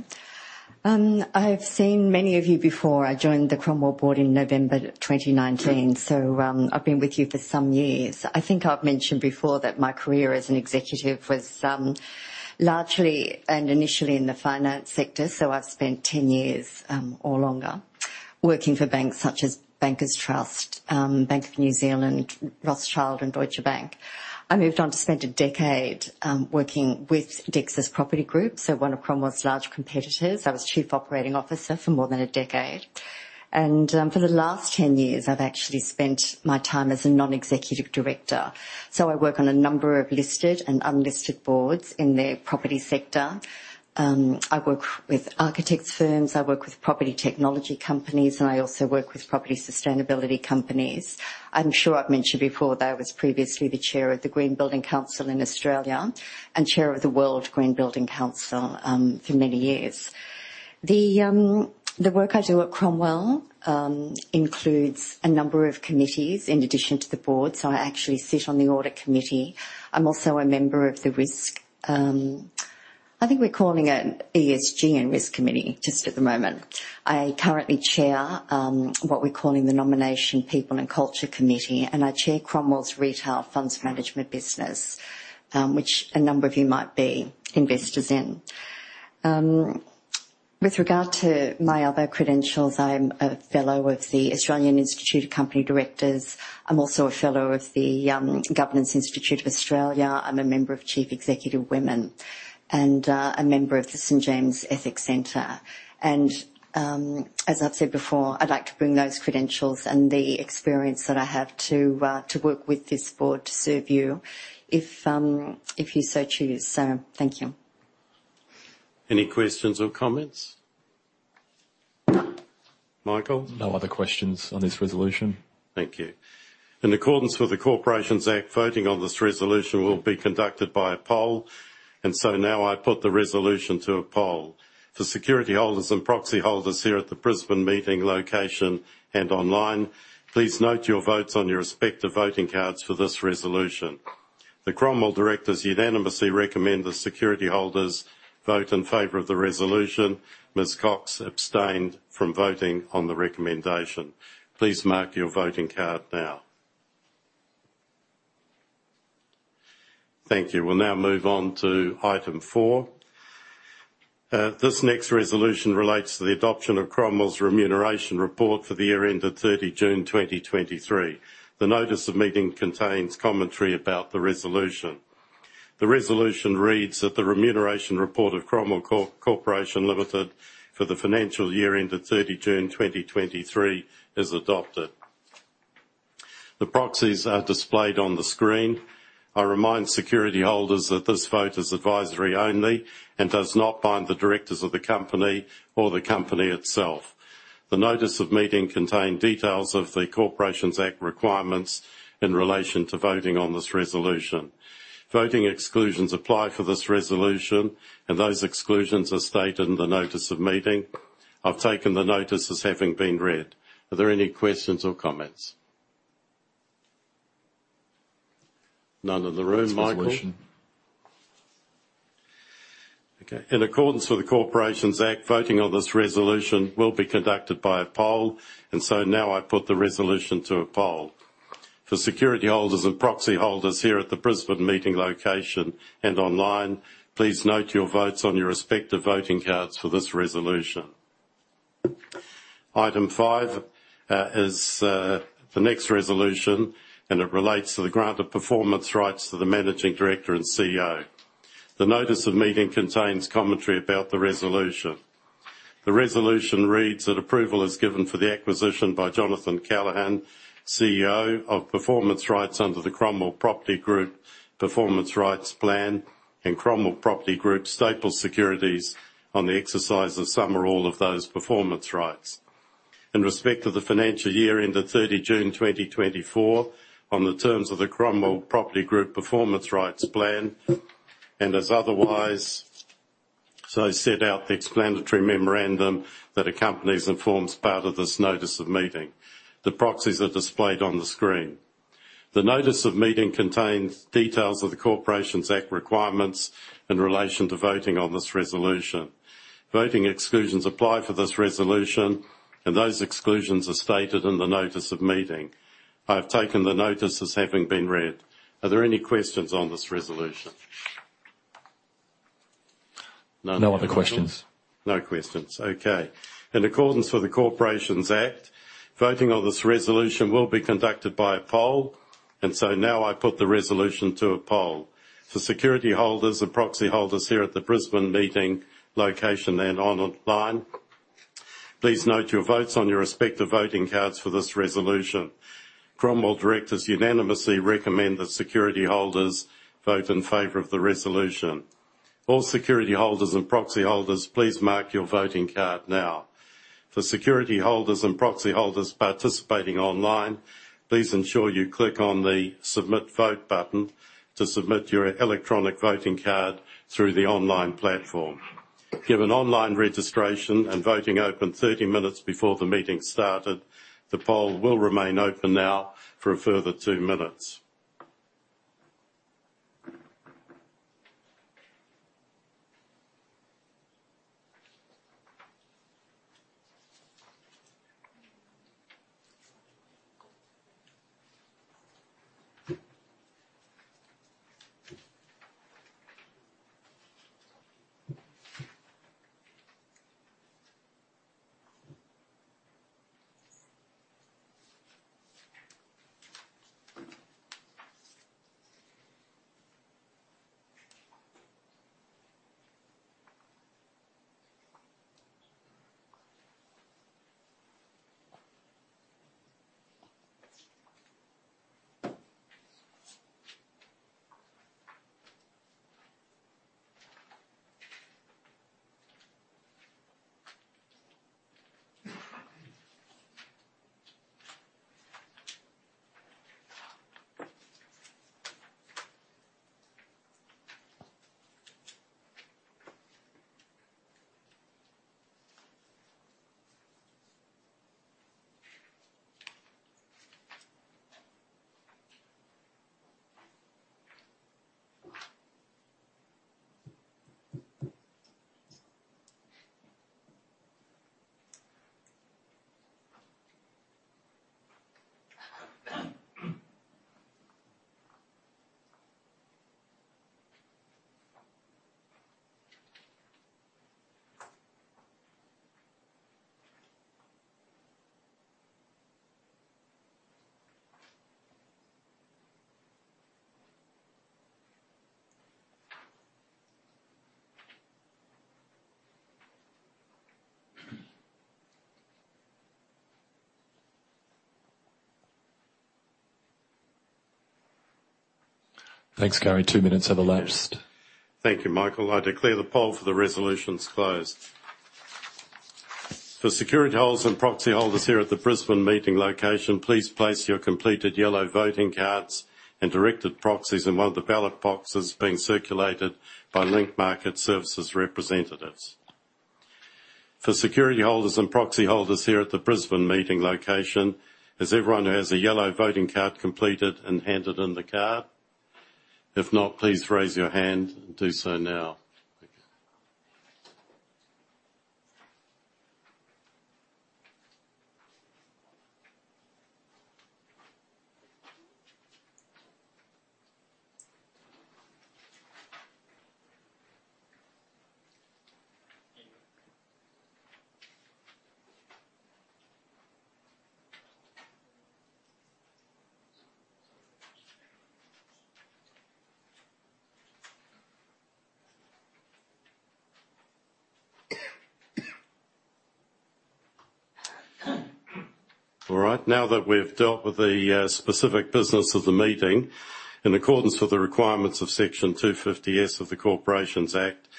I have seen many of you before. I joined the Cromwell board in November 2019, so I've been with you for some years. I think I've mentioned before that my career as an executive was largely and initially in the finance sector. So I've spent 10 years or longer working for banks such as Bankers Trust, Bank of New Zealand, Rothschild, and Deutsche Bank. I moved on to spend a decade working with Dexus Property Group, so one of Cromwell's large competitors. I was Chief Operating Officer for more than a decade. And for the last 10 years, I've actually spent my time as a non-executive director. So I work on a number of listed and unlisted boards in the property sector. I work with architects firms, I work with property technology companies, and I also work with property sustainability companies. I'm sure I've mentioned before that I was previously the chair of the Green Building Council of Australia and chair of the World Green Building Council for many years. The work I do at Cromwell includes a number of committees in addition to the board. So I actually sit on the audit committee. I'm also a member of the risk... I think we're calling it ESG and Risk Committee, just at the moment. I currently chair what we're calling the Nomination, People and Culture Committee, and I chair Cromwell's Retail Funds Management business, which a number of you might be investors in. With regard to my other credentials, I'm a fellow of the Australian Institute of Company Directors. I'm also a fellow of the Governance Institute of Australia. I'm a member of Chief Executive Women and a member of the St. James Ethics Centre. And, as I've said before, I'd like to bring those credentials and the experience that I have to work with this board to serve you if you so choose. So thank you. Any questions or comments? Michael? No other questions on this resolution. Thank you. In accordance with the Corporations Act, voting on this resolution will be conducted by a poll. And so now I put the resolution to a poll. For security holders and proxy holders here at the Brisbane meeting location and online, please note your votes on your respective voting cards for this resolution. The Cromwell directors unanimously recommend the security holders vote in favor of the resolution. Ms. Cox abstained from voting on the recommendation. Please mark your voting card now. Thank you. We'll now move on to item four. This next resolution relates to the adoption of Cromwell's remuneration report for the year ended June 30, 2023. The notice of meeting contains commentary about the resolution. The resolution reads that the remuneration report of Cromwell Corporation Limited for the financial year ended June 30, 2023 is adopted. The proxies are displayed on the screen. I remind security holders that this vote is advisory only and does not bind the directors of the company or the company itself. The notice of meeting contain details of the Corporations Act requirements in relation to voting on this resolution. Voting exclusions apply for this resolution, and those exclusions are stated in the notice of meeting. I've taken the notices as having been read. Are there any questions or comments? None in the room, Michael? Resolution. Okay. In accordance with the Corporations Act, voting on this resolution will be conducted by a poll. So now I put the resolution to a poll. For security holders and proxy holders here at the Brisbane meeting location and online, please note your votes on your respective voting cards for this resolution. Item five is the next resolution, and it relates to the grant of performance rights to the Managing Director and CEO. The notice of meeting contains commentary about the resolution. The resolution reads that approval is given for the acquisition by Jonathan Callaghan, CEO of Performance Rights under the Cromwell Property Group Performance Rights Plan, and Cromwell Property Group Stapled Securities on the exercise of some or all of those performance rights. In respect of the financial year ended June 30, 2024, on the terms of the Cromwell Property Group Performance Rights Plan, and as otherwise so set out in the explanatory memorandum that accompanies and forms part of this notice of meeting. The proxies are displayed on the screen. The notice of meeting contains details of the Corporations Act requirements in relation to voting on this resolution. Voting exclusions apply for this resolution, and those exclusions are stated in the notice of meeting. I've taken the notices having been read. Are there any questions on this resolution? No other questions. No questions. Okay. In accordance with the Corporations Act, voting on this resolution will be conducted by a poll, and so now I put the resolution to a poll. For security holders and proxy holders here at the Brisbane meeting location and online, please note your votes on your respective voting cards for this resolution. Cromwell directors unanimously recommend that security holders vote in favor of the resolution. All security holders and proxy holders, please mark your voting card now. For security holders and proxy holders participating online, please ensure you click on the Submit Vote button to submit your electronic voting card through the online platform. Given online registration and voting opened 30 minutes before the meeting started, the poll will remain open now for a further two minutes. Thanks, Gary. two minutes have elapsed. Thank you, Michael. I declare the poll for the resolutions closed. For security holders and proxy holders here at the Brisbane meeting location, please place your completed yellow voting cards and directed proxies in one of the ballot boxes being circulated by Link Market Services representatives. For security holders and proxy holders here at the Brisbane meeting location, has everyone who has a yellow voting card completed and handed in the card? If not, please raise your hand and do so now. All right, now that we've dealt with the specific business of the meeting, in accordance with the requirements of Section 250S of the Corporations Act,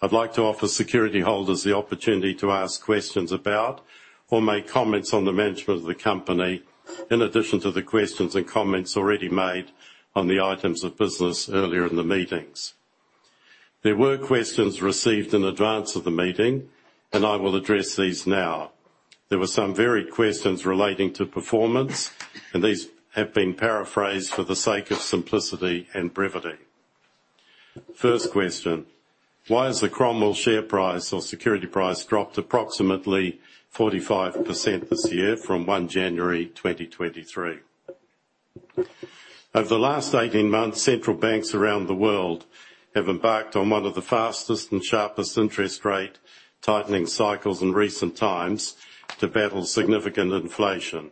I'd like to offer security holders the opportunity to ask questions about or make comments on the management of the company, in addition to the questions and comments already made on the items of business earlier in the meetings. There were questions received in advance of the meeting, and I will address these now. There were some varied questions relating to performance, and these have been paraphrased for the sake of simplicity and brevity. First question: Why has the Cromwell share price or security price dropped approximately 45% this year from January 1, 2023? Over the last 18 months, central banks around the world have embarked on one of the fastest and sharpest interest rate tightening cycles in recent times to battle significant inflation....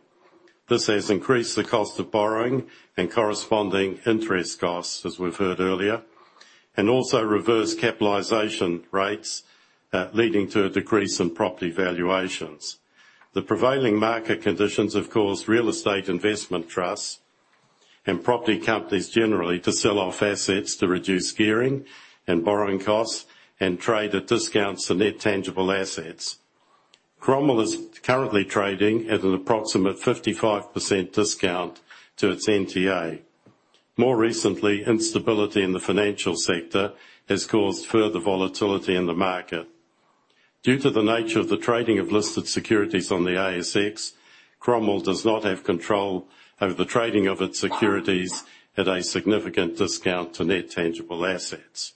This has increased the cost of borrowing and corresponding interest costs, as we've heard earlier, and also reverse capitalization rates, leading to a decrease in property valuations. The prevailing market conditions have caused real estate investment trusts and property companies generally to sell off assets to reduce gearing and borrowing costs and trade at discounts to net tangible assets. Cromwell is currently trading at an approximate 55% discount to its NTA. More recently, instability in the financial sector has caused further volatility in the market. Due to the nature of the trading of listed securities on the ASX, Cromwell does not have control over the trading of its securities at a significant discount to net tangible assets.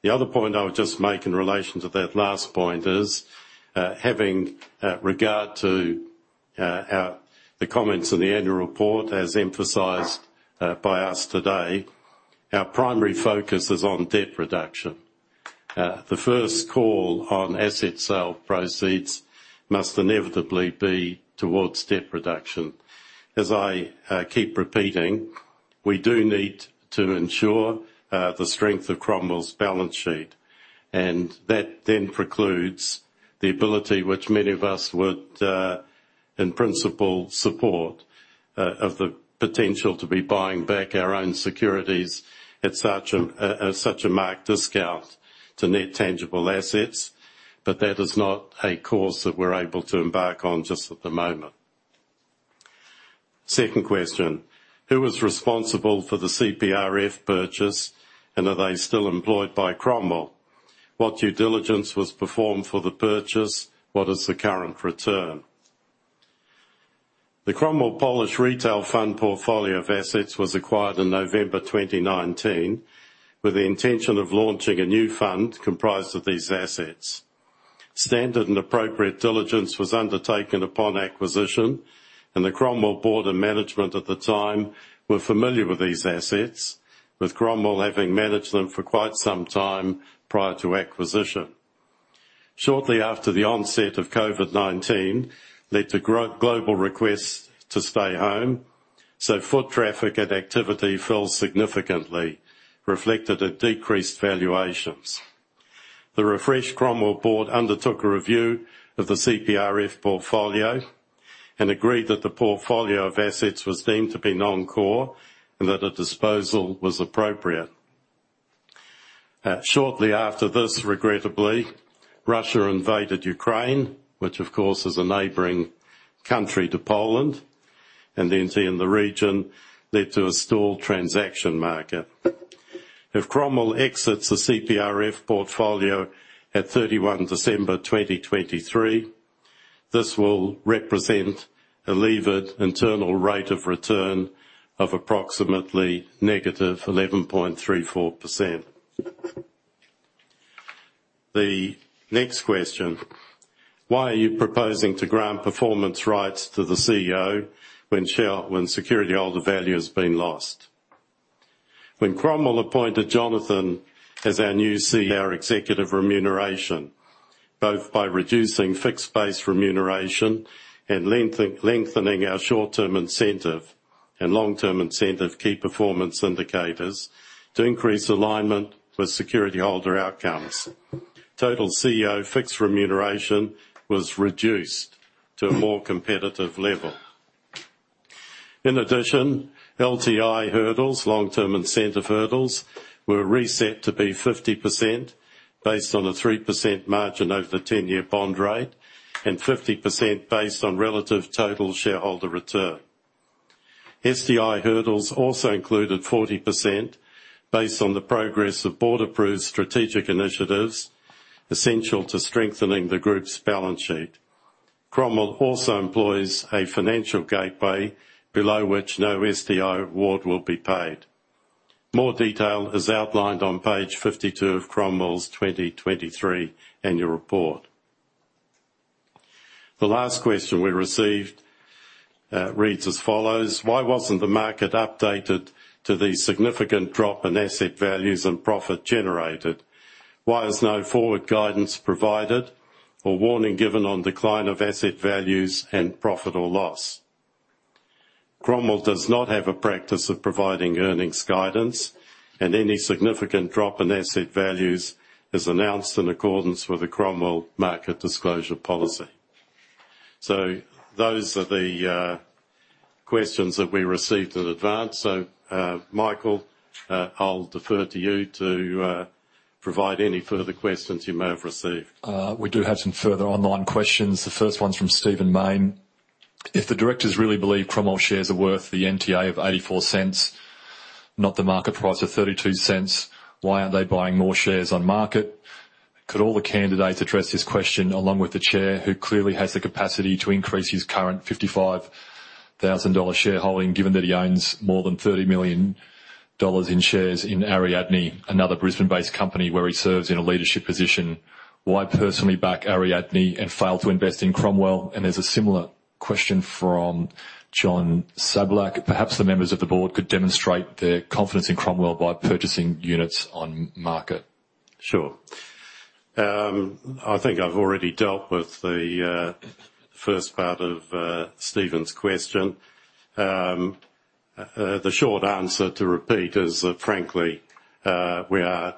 The other point I would just make in relation to that last point is, having regard to our the comments in the annual report, as emphasized by us today, our primary focus is on debt reduction. The first call on asset sale proceeds must inevitably be towards debt reduction. As I keep repeating, we do need to ensure the strength of Cromwell's balance sheet, and that then precludes the ability which many of us would, in principle, support, of the potential to be buying back our own securities at such a marked discount to net tangible assets. But that is not a course that we're able to embark on just at the moment. Second question: Who was responsible for the CPRF purchase, and are they still employed by Cromwell? What due diligence was performed for the purchase? What is the current return? The Cromwell Polish Retail Fund portfolio of assets was acquired in November 2019, with the intention of launching a new fund comprised of these assets. Standard and appropriate diligence was undertaken upon acquisition, and the Cromwell Board of Management at the time were familiar with these assets, with Cromwell having managed them for quite some time prior to acquisition. Shortly after the onset of COVID-19 led to global requests to stay home, so foot traffic and activity fell significantly, reflected in decreased valuations. The refreshed Cromwell board undertook a review of the CPRF portfolio and agreed that the portfolio of assets was deemed to be non-core and that a disposal was appropriate. Shortly after this, regrettably, Russia invaded Ukraine, which of course, is a neighboring country to Poland, and the entity in the region led to a stalled transaction market. If Cromwell exits the CPRF portfolio at December 31, 2023, this will represent a levered internal rate of return of approximately -11.34%. The next question: Why are you proposing to grant performance rights to the CEO when security holder value has been lost? When Cromwell appointed Jonathan as our new CEO, our executive remuneration, both by reducing fixed-base remuneration and lengthening our short-term incentive and long-term incentive key performance indicators to increase alignment with security holder outcomes. Total CEO fixed remuneration was reduced to a more competitive level. In addition, LTI hurdles, long-term incentive hurdles, were reset to be 50%, based on a 3% margin over the 10-year bond rate, and 50% based on relative Total Shareholder Return. STI hurdles also included 40% based on the progress of board-approved strategic initiatives essential to strengthening the group's balance sheet. Cromwell also employs a financial gateway, below which no STI award will be paid. More detail is outlined on page 52 of Cromwell's 2023 annual report. The last question we received reads as follows: Why wasn't the market updated to the significant drop in asset values and profit generated? Why is no forward guidance provided or warning given on decline of asset values and profit or loss? Cromwell does not have a practice of providing earnings guidance, and any significant drop in asset values is announced in accordance with the Cromwell market disclosure policy. So those are the questions that we received in advance. So, Michael, I'll defer to you to provide any further questions you may have received. We do have some further online questions. The first one's from Stephen Maine. If the directors really believe Cromwell shares are worth the NTA of 0.84, not the market price of 0.32, why aren't they buying more shares on market? Could all the candidates address this question, along with the chair, who clearly has the capacity to increase his current 55,000 dollar shareholding, given that he owns more than 30 million dollars in shares in Ariadne, another Brisbane-based company where he serves in a leadership position. Why personally back Ariadne and fail to invest in Cromwell? And there's a similar question from John Sablak. Perhaps the members of the board could demonstrate their confidence in Cromwell by purchasing units on market. Sure. I think I've already dealt with the first part of Steven's question. The short answer to repeat is that, frankly, we are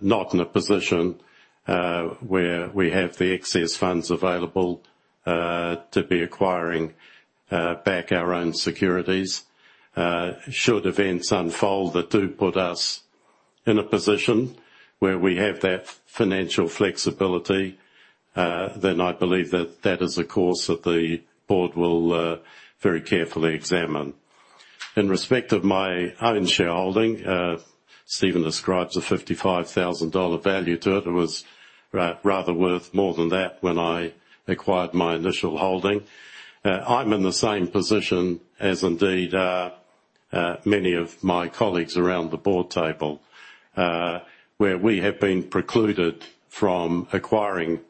not in a position where we have the excess funds available to be acquiring back our own securities. Should events unfold that do put us in a position where we have that financial flexibility, then I believe that that is a course that the board will very carefully examine. In respect of my own shareholding, Steven describes a 55,000 dollar value to it. It was rather worth more than that when I acquired my initial holding. I'm in the same position as indeed many of my colleagues around the board table, where we have been precluded from acquiring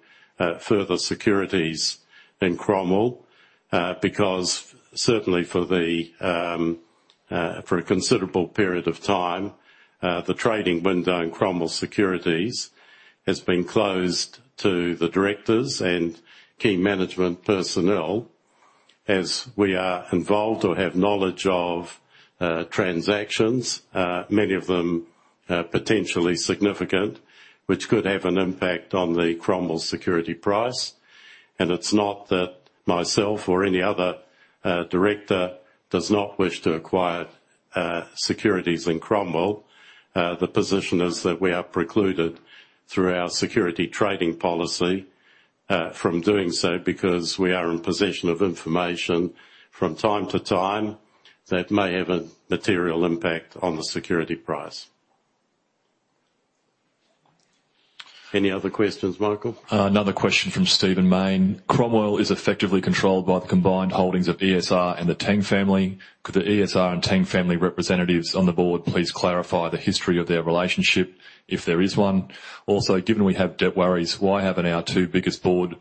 further securities in Cromwell. Because certainly for a considerable period of time, the trading window in Cromwell Securities has been closed to the directors and key management personnel as we are involved or have knowledge of transactions, many of them potentially significant, which could have an impact on the Cromwell security price. It's not that myself or any other director does not wish to acquire securities in Cromwell. The position is that we are precluded through our security trading policy from doing so because we are in possession of information from time to time that may have a material impact on the security price. Any other questions, Michael? Another question from Stephen Maine: Cromwell is effectively controlled by the combined holdings of ESR and the Tang family. Could the ESR and Tang family representatives on the board please clarify the history of their relationship, if there is one? Also, given we have debt worries, why haven't our two biggest board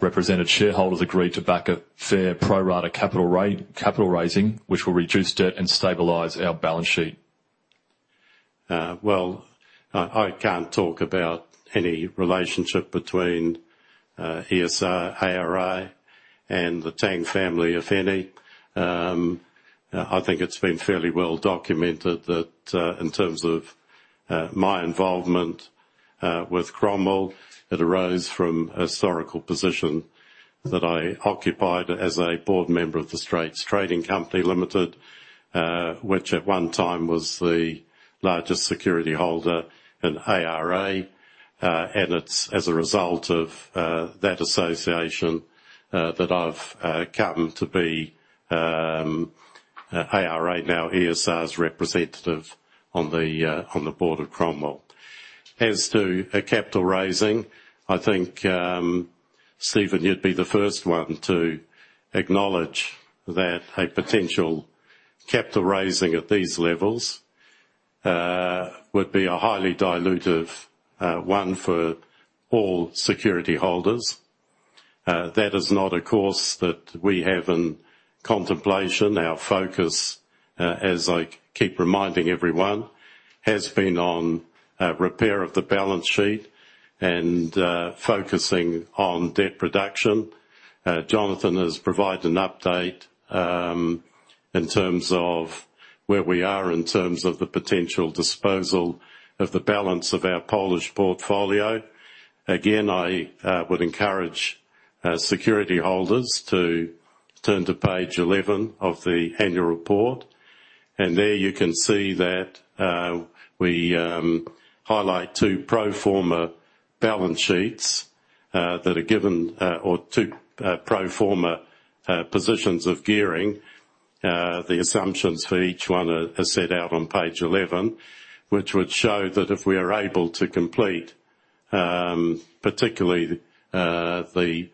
represented shareholders agreed to back a fair pro rata capital raising, which will reduce debt and stabilize our balance sheet? Well, I can't talk about any relationship between ESR, ARA, and the Tang family, if any. I think it's been fairly well documented that in terms of my involvement with Cromwell, it arose from a historical position that I occupied as a board member of The Straits Trading Company Limited, which at one time was the largest security holder in ARA. And it's as a result of that association that I've come to be ARA, now ESR's representative on the board of Cromwell. As to a capital raising, I think, Steven, you'd be the first one to acknowledge that a potential capital raising at these levels would be a highly dilutive one for all security holders. That is not a course that we have in contemplation. Our focus, as I keep reminding everyone, has been on repair of the balance sheet and focusing on debt reduction. Jonathan has provided an update in terms of where we are in terms of the potential disposal of the balance of our Polish portfolio. Again, I would encourage security holders to turn to page 11 of the annual report, and there you can see that we highlight two pro forma balance sheets that are given or two pro forma positions of gearing. The assumptions for each one are set out on page 11, which would show that if we are able to complete, particularly, the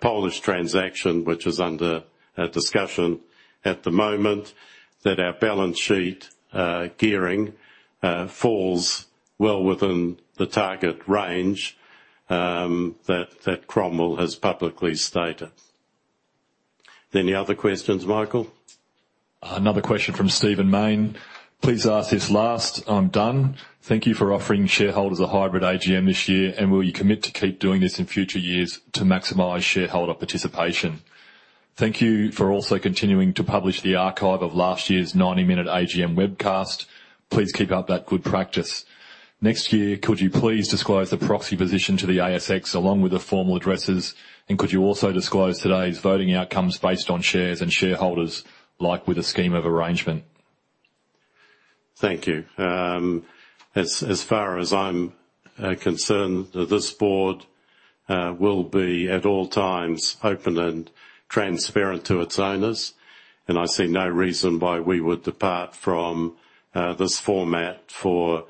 Polish transaction, which is under discussion at the moment, that our balance sheet gearing falls well within the target range that Cromwell has publicly stated. Any other questions, Michael? Another question from Stephen Maine. Please ask this last. I'm done. Thank you for offering shareholders a hybrid AGM this year, and will you commit to keep doing this in future years to maximize shareholder participation? Thank you for also continuing to publish the archive of last year's 90-minute AGM webcast. Please keep up that good practice. Next year, could you please disclose the proxy position to the ASX along with the formal addresses? And could you also disclose today's voting outcomes based on shares and shareholders, like with the scheme of arrangement? Thank you. As far as I'm concerned, this board will be at all times open and transparent to its owners, and I see no reason why we would depart from this format for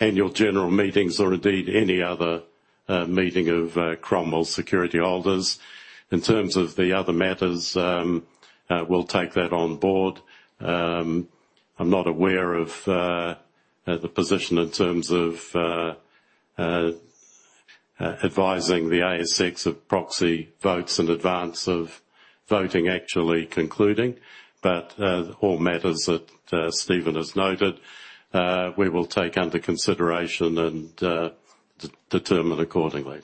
annual general meetings or indeed any other meeting of Cromwell security holders. In terms of the other matters, we'll take that on board. I'm not aware of the position in terms of advising the ASX of proxy votes in advance of voting actually concluding, but all matters that Stephen has noted we will take under consideration and determine accordingly.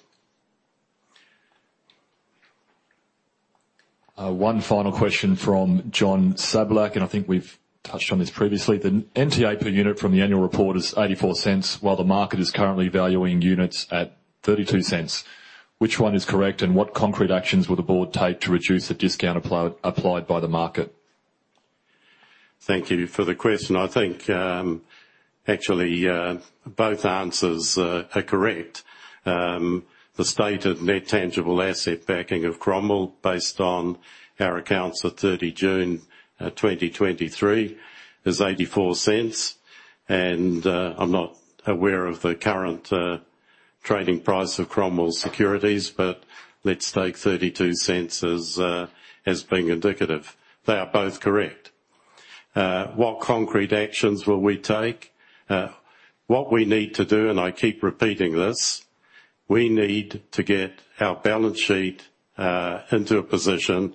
One final question from John Sablak, and I think we've touched on this previously. The NTA per unit from the annual report is 0.84, while the market is currently valuing units at 0.32. Which one is correct, and what concrete actions will the board take to reduce the discount applied by the market? Thank you for the question. I think, actually, both answers are correct. The stated net tangible asset backing of Cromwell, based on our accounts at June 30, 2023, is 0.84. I'm not aware of the current trading price of Cromwell's securities, but let's take 0.32 as, as being indicative. They are both correct. What concrete actions will we take? What we need to do, and I keep repeating this, we need to get our balance sheet into a position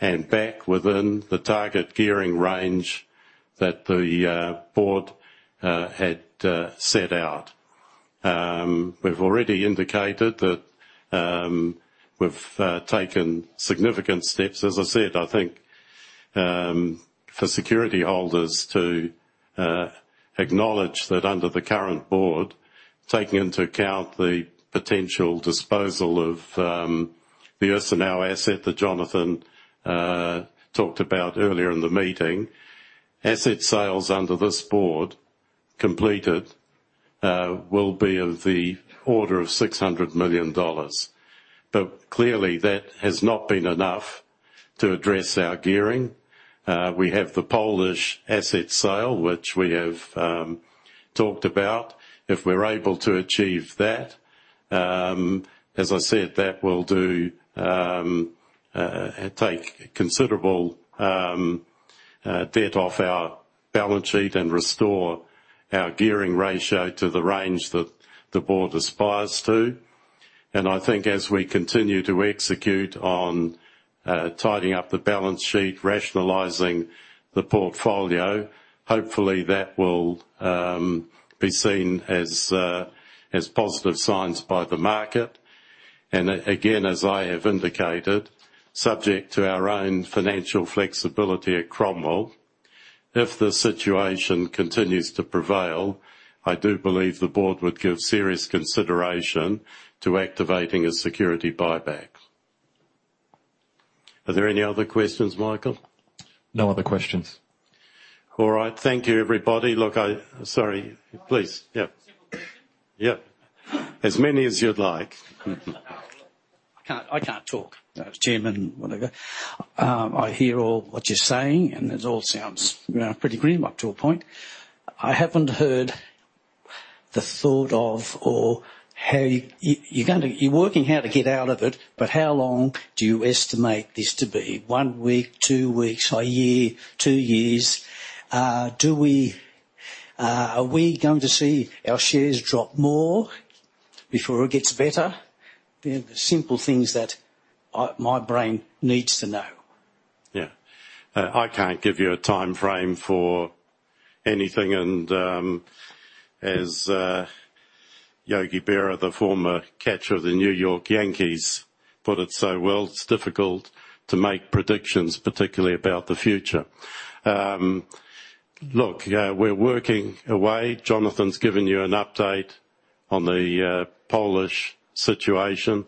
and back within the target gearing range that the board had set out. We've already indicated that, we've taken significant steps. As I said, I think, for security holders to acknowledge that under the current board, taking into account the potential disposal of the Ursynów asset that Jonathan talked about earlier in the meeting, asset sales under this board, completed, will be of the order of 600 million dollars. But clearly, that has not been enough to address our gearing. We have the Polish asset sale, which we have talked about. If we're able to achieve that, as I said, that will do take considerable debt off our balance sheet and restore our gearing ratio to the range that the board aspires to. And I think as we continue to execute on tidying up the balance sheet, rationalizing the portfolio, hopefully that will be seen as positive signs by the market. Again, as I have indicated, subject to our own financial flexibility at Cromwell, if the situation continues to prevail, I do believe the board would give serious consideration to activating a security buyback. Are there any other questions, Michael? No other questions. All right. Thank you, everybody. Look, I... Sorry. Please. Yeah. Simple question. Yeah. As many as you'd like. I can't, I can't talk, Chairman, whatever. I hear all what you're saying, and it all sounds pretty grim up to a point. I haven't heard the thought of or how you're gonna you're working how to get out of it, but how long do you estimate this to be? One week, two weeks, a year, two years? Do we... Are we going to see our shares drop more before it gets better? They're the simple things that my brain needs to know. Yeah. I can't give you a timeframe for anything. And, as Yogi Berra, the former catcher of the New York Yankees, put it so well, "It's difficult to make predictions, particularly about the future." Look, yeah, we're working away. Jonathan's given you an update on the Polish situation.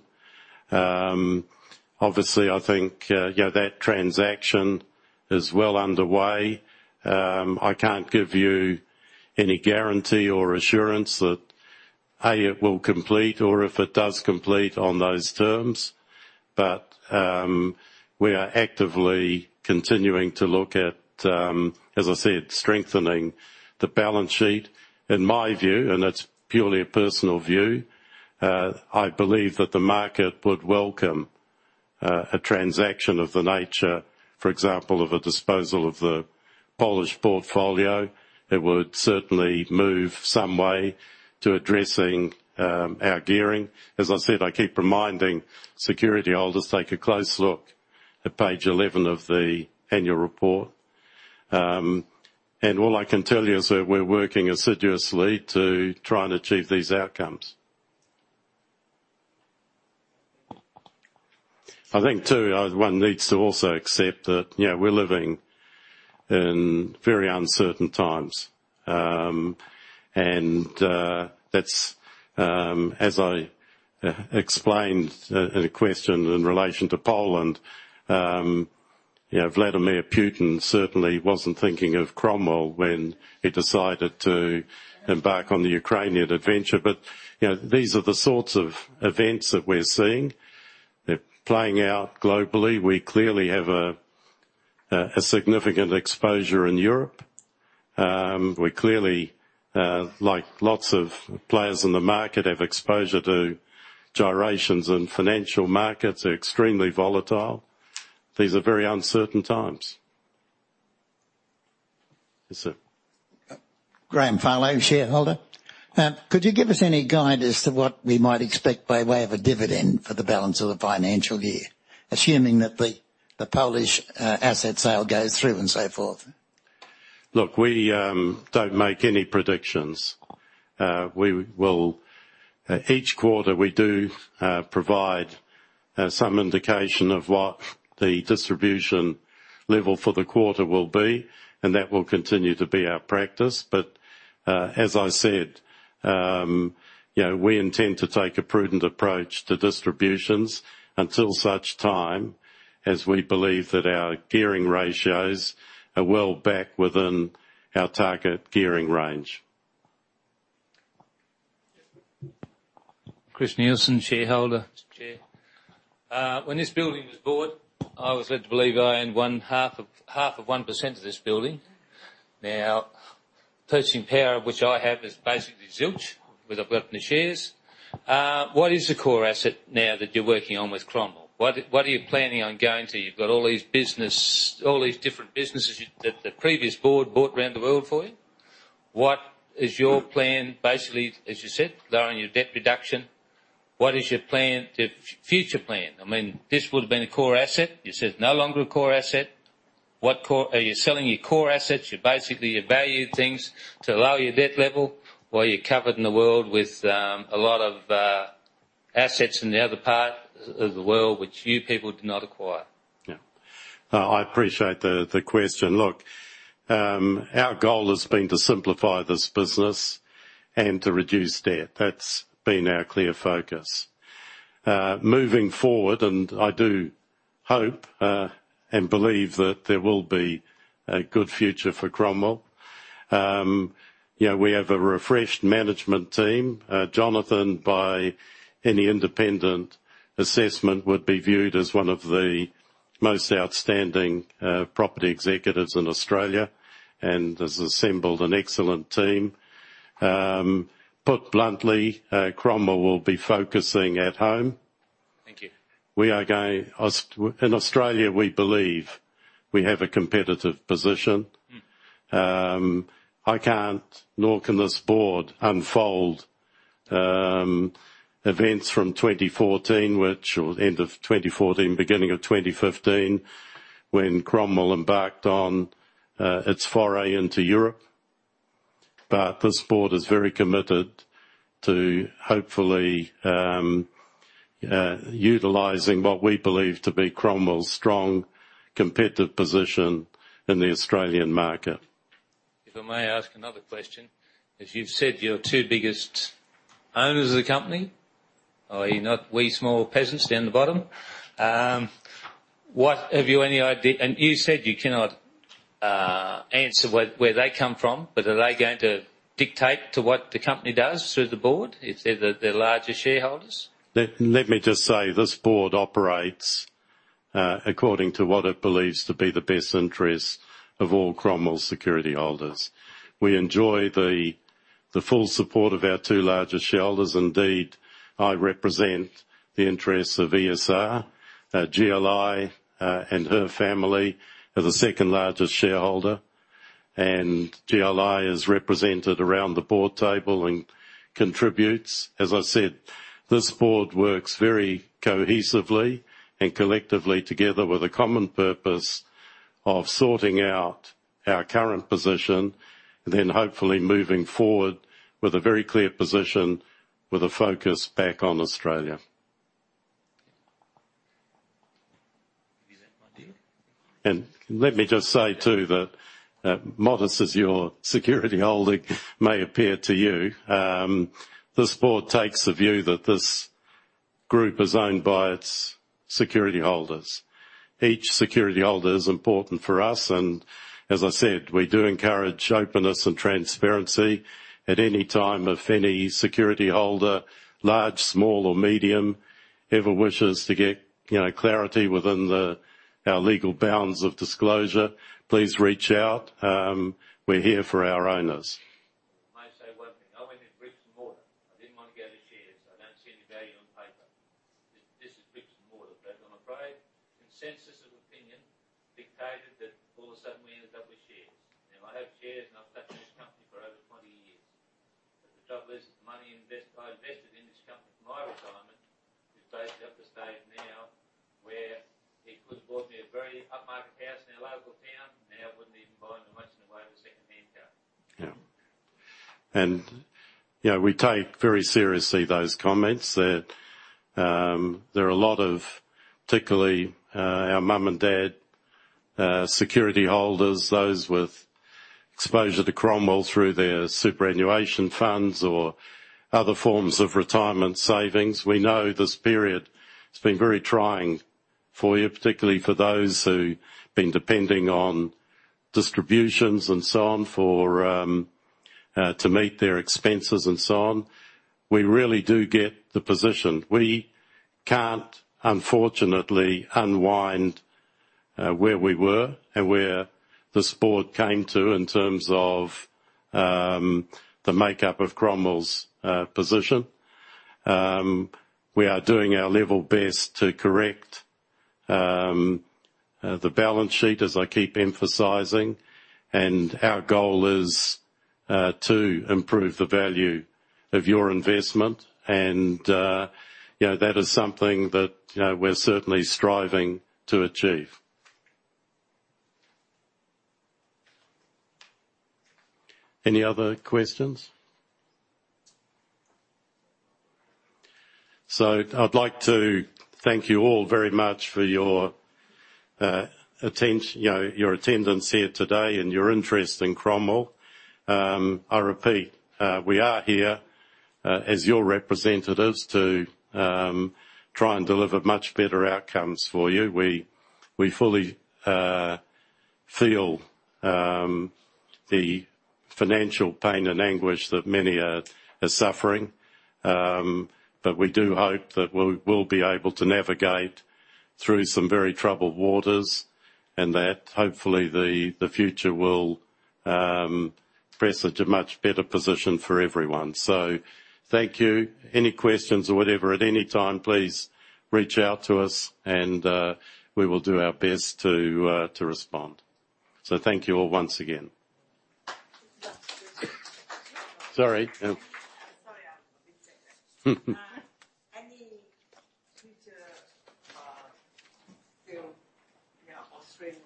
Obviously, I think, you know, that transaction is well underway. I can't give you any guarantee or assurance that, A, it will complete, or if it does complete on those terms. But, we are actively continuing to look at, as I said, strengthening the balance sheet. In my view, and it's purely a personal view, I believe that the market would welcome, a transaction of the nature, for example, of a disposal of the Polish portfolio. It would certainly move some way to addressing, our gearing. As I said, I keep reminding security holders to take a close look at page 11 of the annual report. And all I can tell you is that we're working assiduously to try and achieve these outcomes. I think, too, one needs to also accept that, you know, we're living in very uncertain times. And, that's, as I, explained in a question in relation to Poland, you know, Vladimir Putin certainly wasn't thinking of Cromwell when he decided to embark on the Ukrainian adventure. But, you know, these are the sorts of events that we're seeing. They're playing out globally. We clearly have a significant exposure in Europe. We clearly, like lots of players in the market, have exposure to gyrations in financial markets, extremely volatile. These are very uncertain times.... Yes, sir. Graham Farlow, shareholder. Could you give us any guide as to what we might expect by way of a dividend for the balance of the financial year, assuming that the Polish asset sale goes through and so forth? Look, we don't make any predictions. We will... Each quarter, we do provide some indication of what the distribution level for the quarter will be, and that will continue to be our practice. But, as I said, you know, we intend to take a prudent approach to distributions until such time as we believe that our gearing ratios are well back within our target gearing range. Chris Nielsen, shareholder. Chair, when this building was bought, I was led to believe I owned 0.5% of this building. Now, purchasing power, which I have, is basically zilch, with regard to the shares. What is the core asset now that you're working on with Cromwell? What, what are you planning on going to? You've got all these businesses, all these different businesses that the previous board bought around the world for you. What is your plan? Basically, as you said, lowering your debt reduction, what is your plan to... Future plan? I mean, this would have been a core asset. You said no longer a core asset. What core... Are you selling your core assets? You're basically you value things to lower your debt level, while you're covered in the world with a lot of assets in the other part of the world, which you people did not acquire. Yeah. I appreciate the question. Look, our goal has been to simplify this business and to reduce debt. That's been our clear focus. Moving forward, and I do hope and believe that there will be a good future for Cromwell. You know, we have a refreshed management team. Jonathan, by any independent assessment, would be viewed as one of the most outstanding property executives in Australia, and has assembled an excellent team. Put bluntly, Cromwell will be focusing at home. Thank you. In Australia, we believe we have a competitive position. Mm. I can't, nor can this board, unfold events from 2014, which or end of 2014, beginning of 2015, when Cromwell embarked on its foray into Europe. But this board is very committed to hopefully utilizing what we believe to be Cromwell's strong competitive position in the Australian market. If I may ask another question. As you've said, your two biggest owners of the company, are you not we small peasants down the bottom? What... Have you any idea- And you said you cannot answer where, where they come from, but are they going to dictate to what the company does through the board, if they're the, the larger shareholders? Let me just say, this board operates according to what it believes to be the best interest of all Cromwell security holders. We enjoy the full support of our two largest shareholders. Indeed, I represent the interests of ESR. GLI and her family are the second largest shareholder, and GLI is represented around the board table and contributes. As I said, this board works very cohesively and collectively together with a common purpose of sorting out our current position, and then hopefully moving forward with a very clear position with a focus back on Australia. Is that my deal? Let me just say, too, that modest as your security holding may appear to you, this board takes the view that this group is owned by its security holders. Each security holder is important for us, and as I said, we do encourage openness and transparency at any time. If any security holder, large, small or medium, ever wishes to get, you know, clarity within our legal bounds of disclosure, please reach out. We're here for our owners. May I say one thing? I went in bricks and mortar. I didn't want to go to shares. I don't see any value on paper. This, this is bricks and mortar. But I'm afraid consensus of opinion dictated that all of a sudden we ended up with shares. Now, I have shares, and I've touched this company for over 20 years. But the trouble is, the money I invested in this company for my retirement, is basically up to stage now, where it could have bought me a very upmarket house in a local town. Now, it wouldn't even buy me much in the way of a second-hand car. Yeah. You know, we take very seriously those comments. There are a lot of, particularly, our mom and dad security holders, those with exposure to Cromwell through their superannuation funds or other forms of retirement savings. We know this period has been very trying for you, particularly for those who have been depending on distributions and so on, for to meet their expenses and so on. We really do get the position. We can't, unfortunately, unwind where we were and where this board came to, in terms of the makeup of Cromwell's position. We are doing our level best to correct the balance sheet, as I keep emphasizing, and our goal is to improve the value of your investment. You know, that is something that, you know, we're certainly striving to achieve. Any other questions? So I'd like to thank you all very much for your, you know, your attendance here today and your interest in Cromwell. I repeat, we are here, as your representatives to try and deliver much better outcomes for you. We fully feel the financial pain and anguish that many are suffering. But we do hope that we will be able to navigate through some very troubled waters, and that hopefully, the future will present a much better position for everyone. So thank you. Any questions or whatever, at any time, please reach out to us, and we will do our best to respond. So thank you all once again. Sorry. Sorry, any future, you know, Australian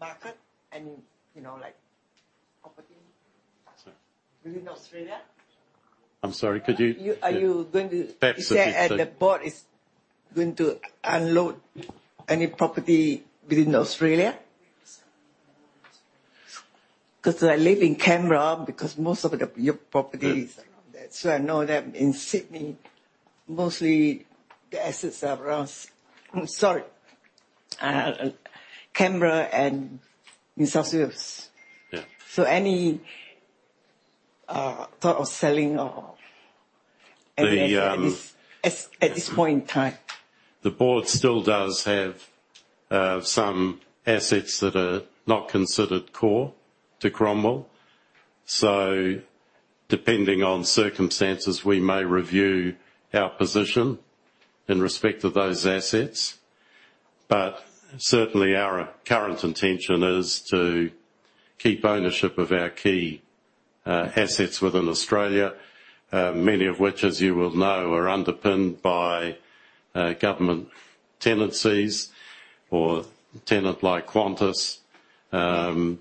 market and, you know, like, property- Sorry. Within Australia? I'm sorry, could you- Are you going to- Perhaps if you could- Is there... The board is going to unload any property within Australia? 'Cause I live in Canberra, because most of the, your properties- Uh. So I know that in Sydney, mostly the assets are around... I'm sorry, Canberra, and New South Wales. Yeah. So, any thought of selling or- The um- At this point in time? The board still does have some assets that are not considered core to Cromwell. So depending on circumstances, we may review our position in respect to those assets. But certainly, our current intention is to keep ownership of our key assets within Australia, many of which, as you well know, are underpinned by government tenancies or tenant like Qantas. You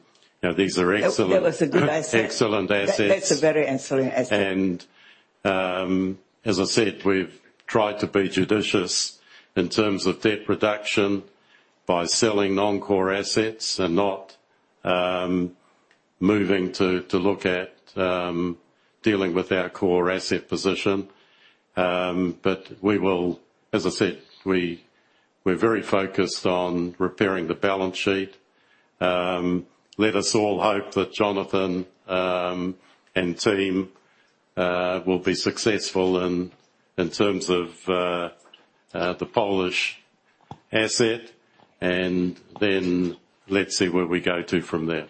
know, these are excellent- That was a good asset. Excellent assets. That's a very excellent asset. As I said, we've tried to be judicious in terms of debt reduction by selling non-core assets and not moving to look at dealing with our core asset position. But we will. As I said, we're very focused on repairing the balance sheet. Let us all hope that Jonathan and team will be successful in terms of the Polish asset, and then let's see where we go to from there.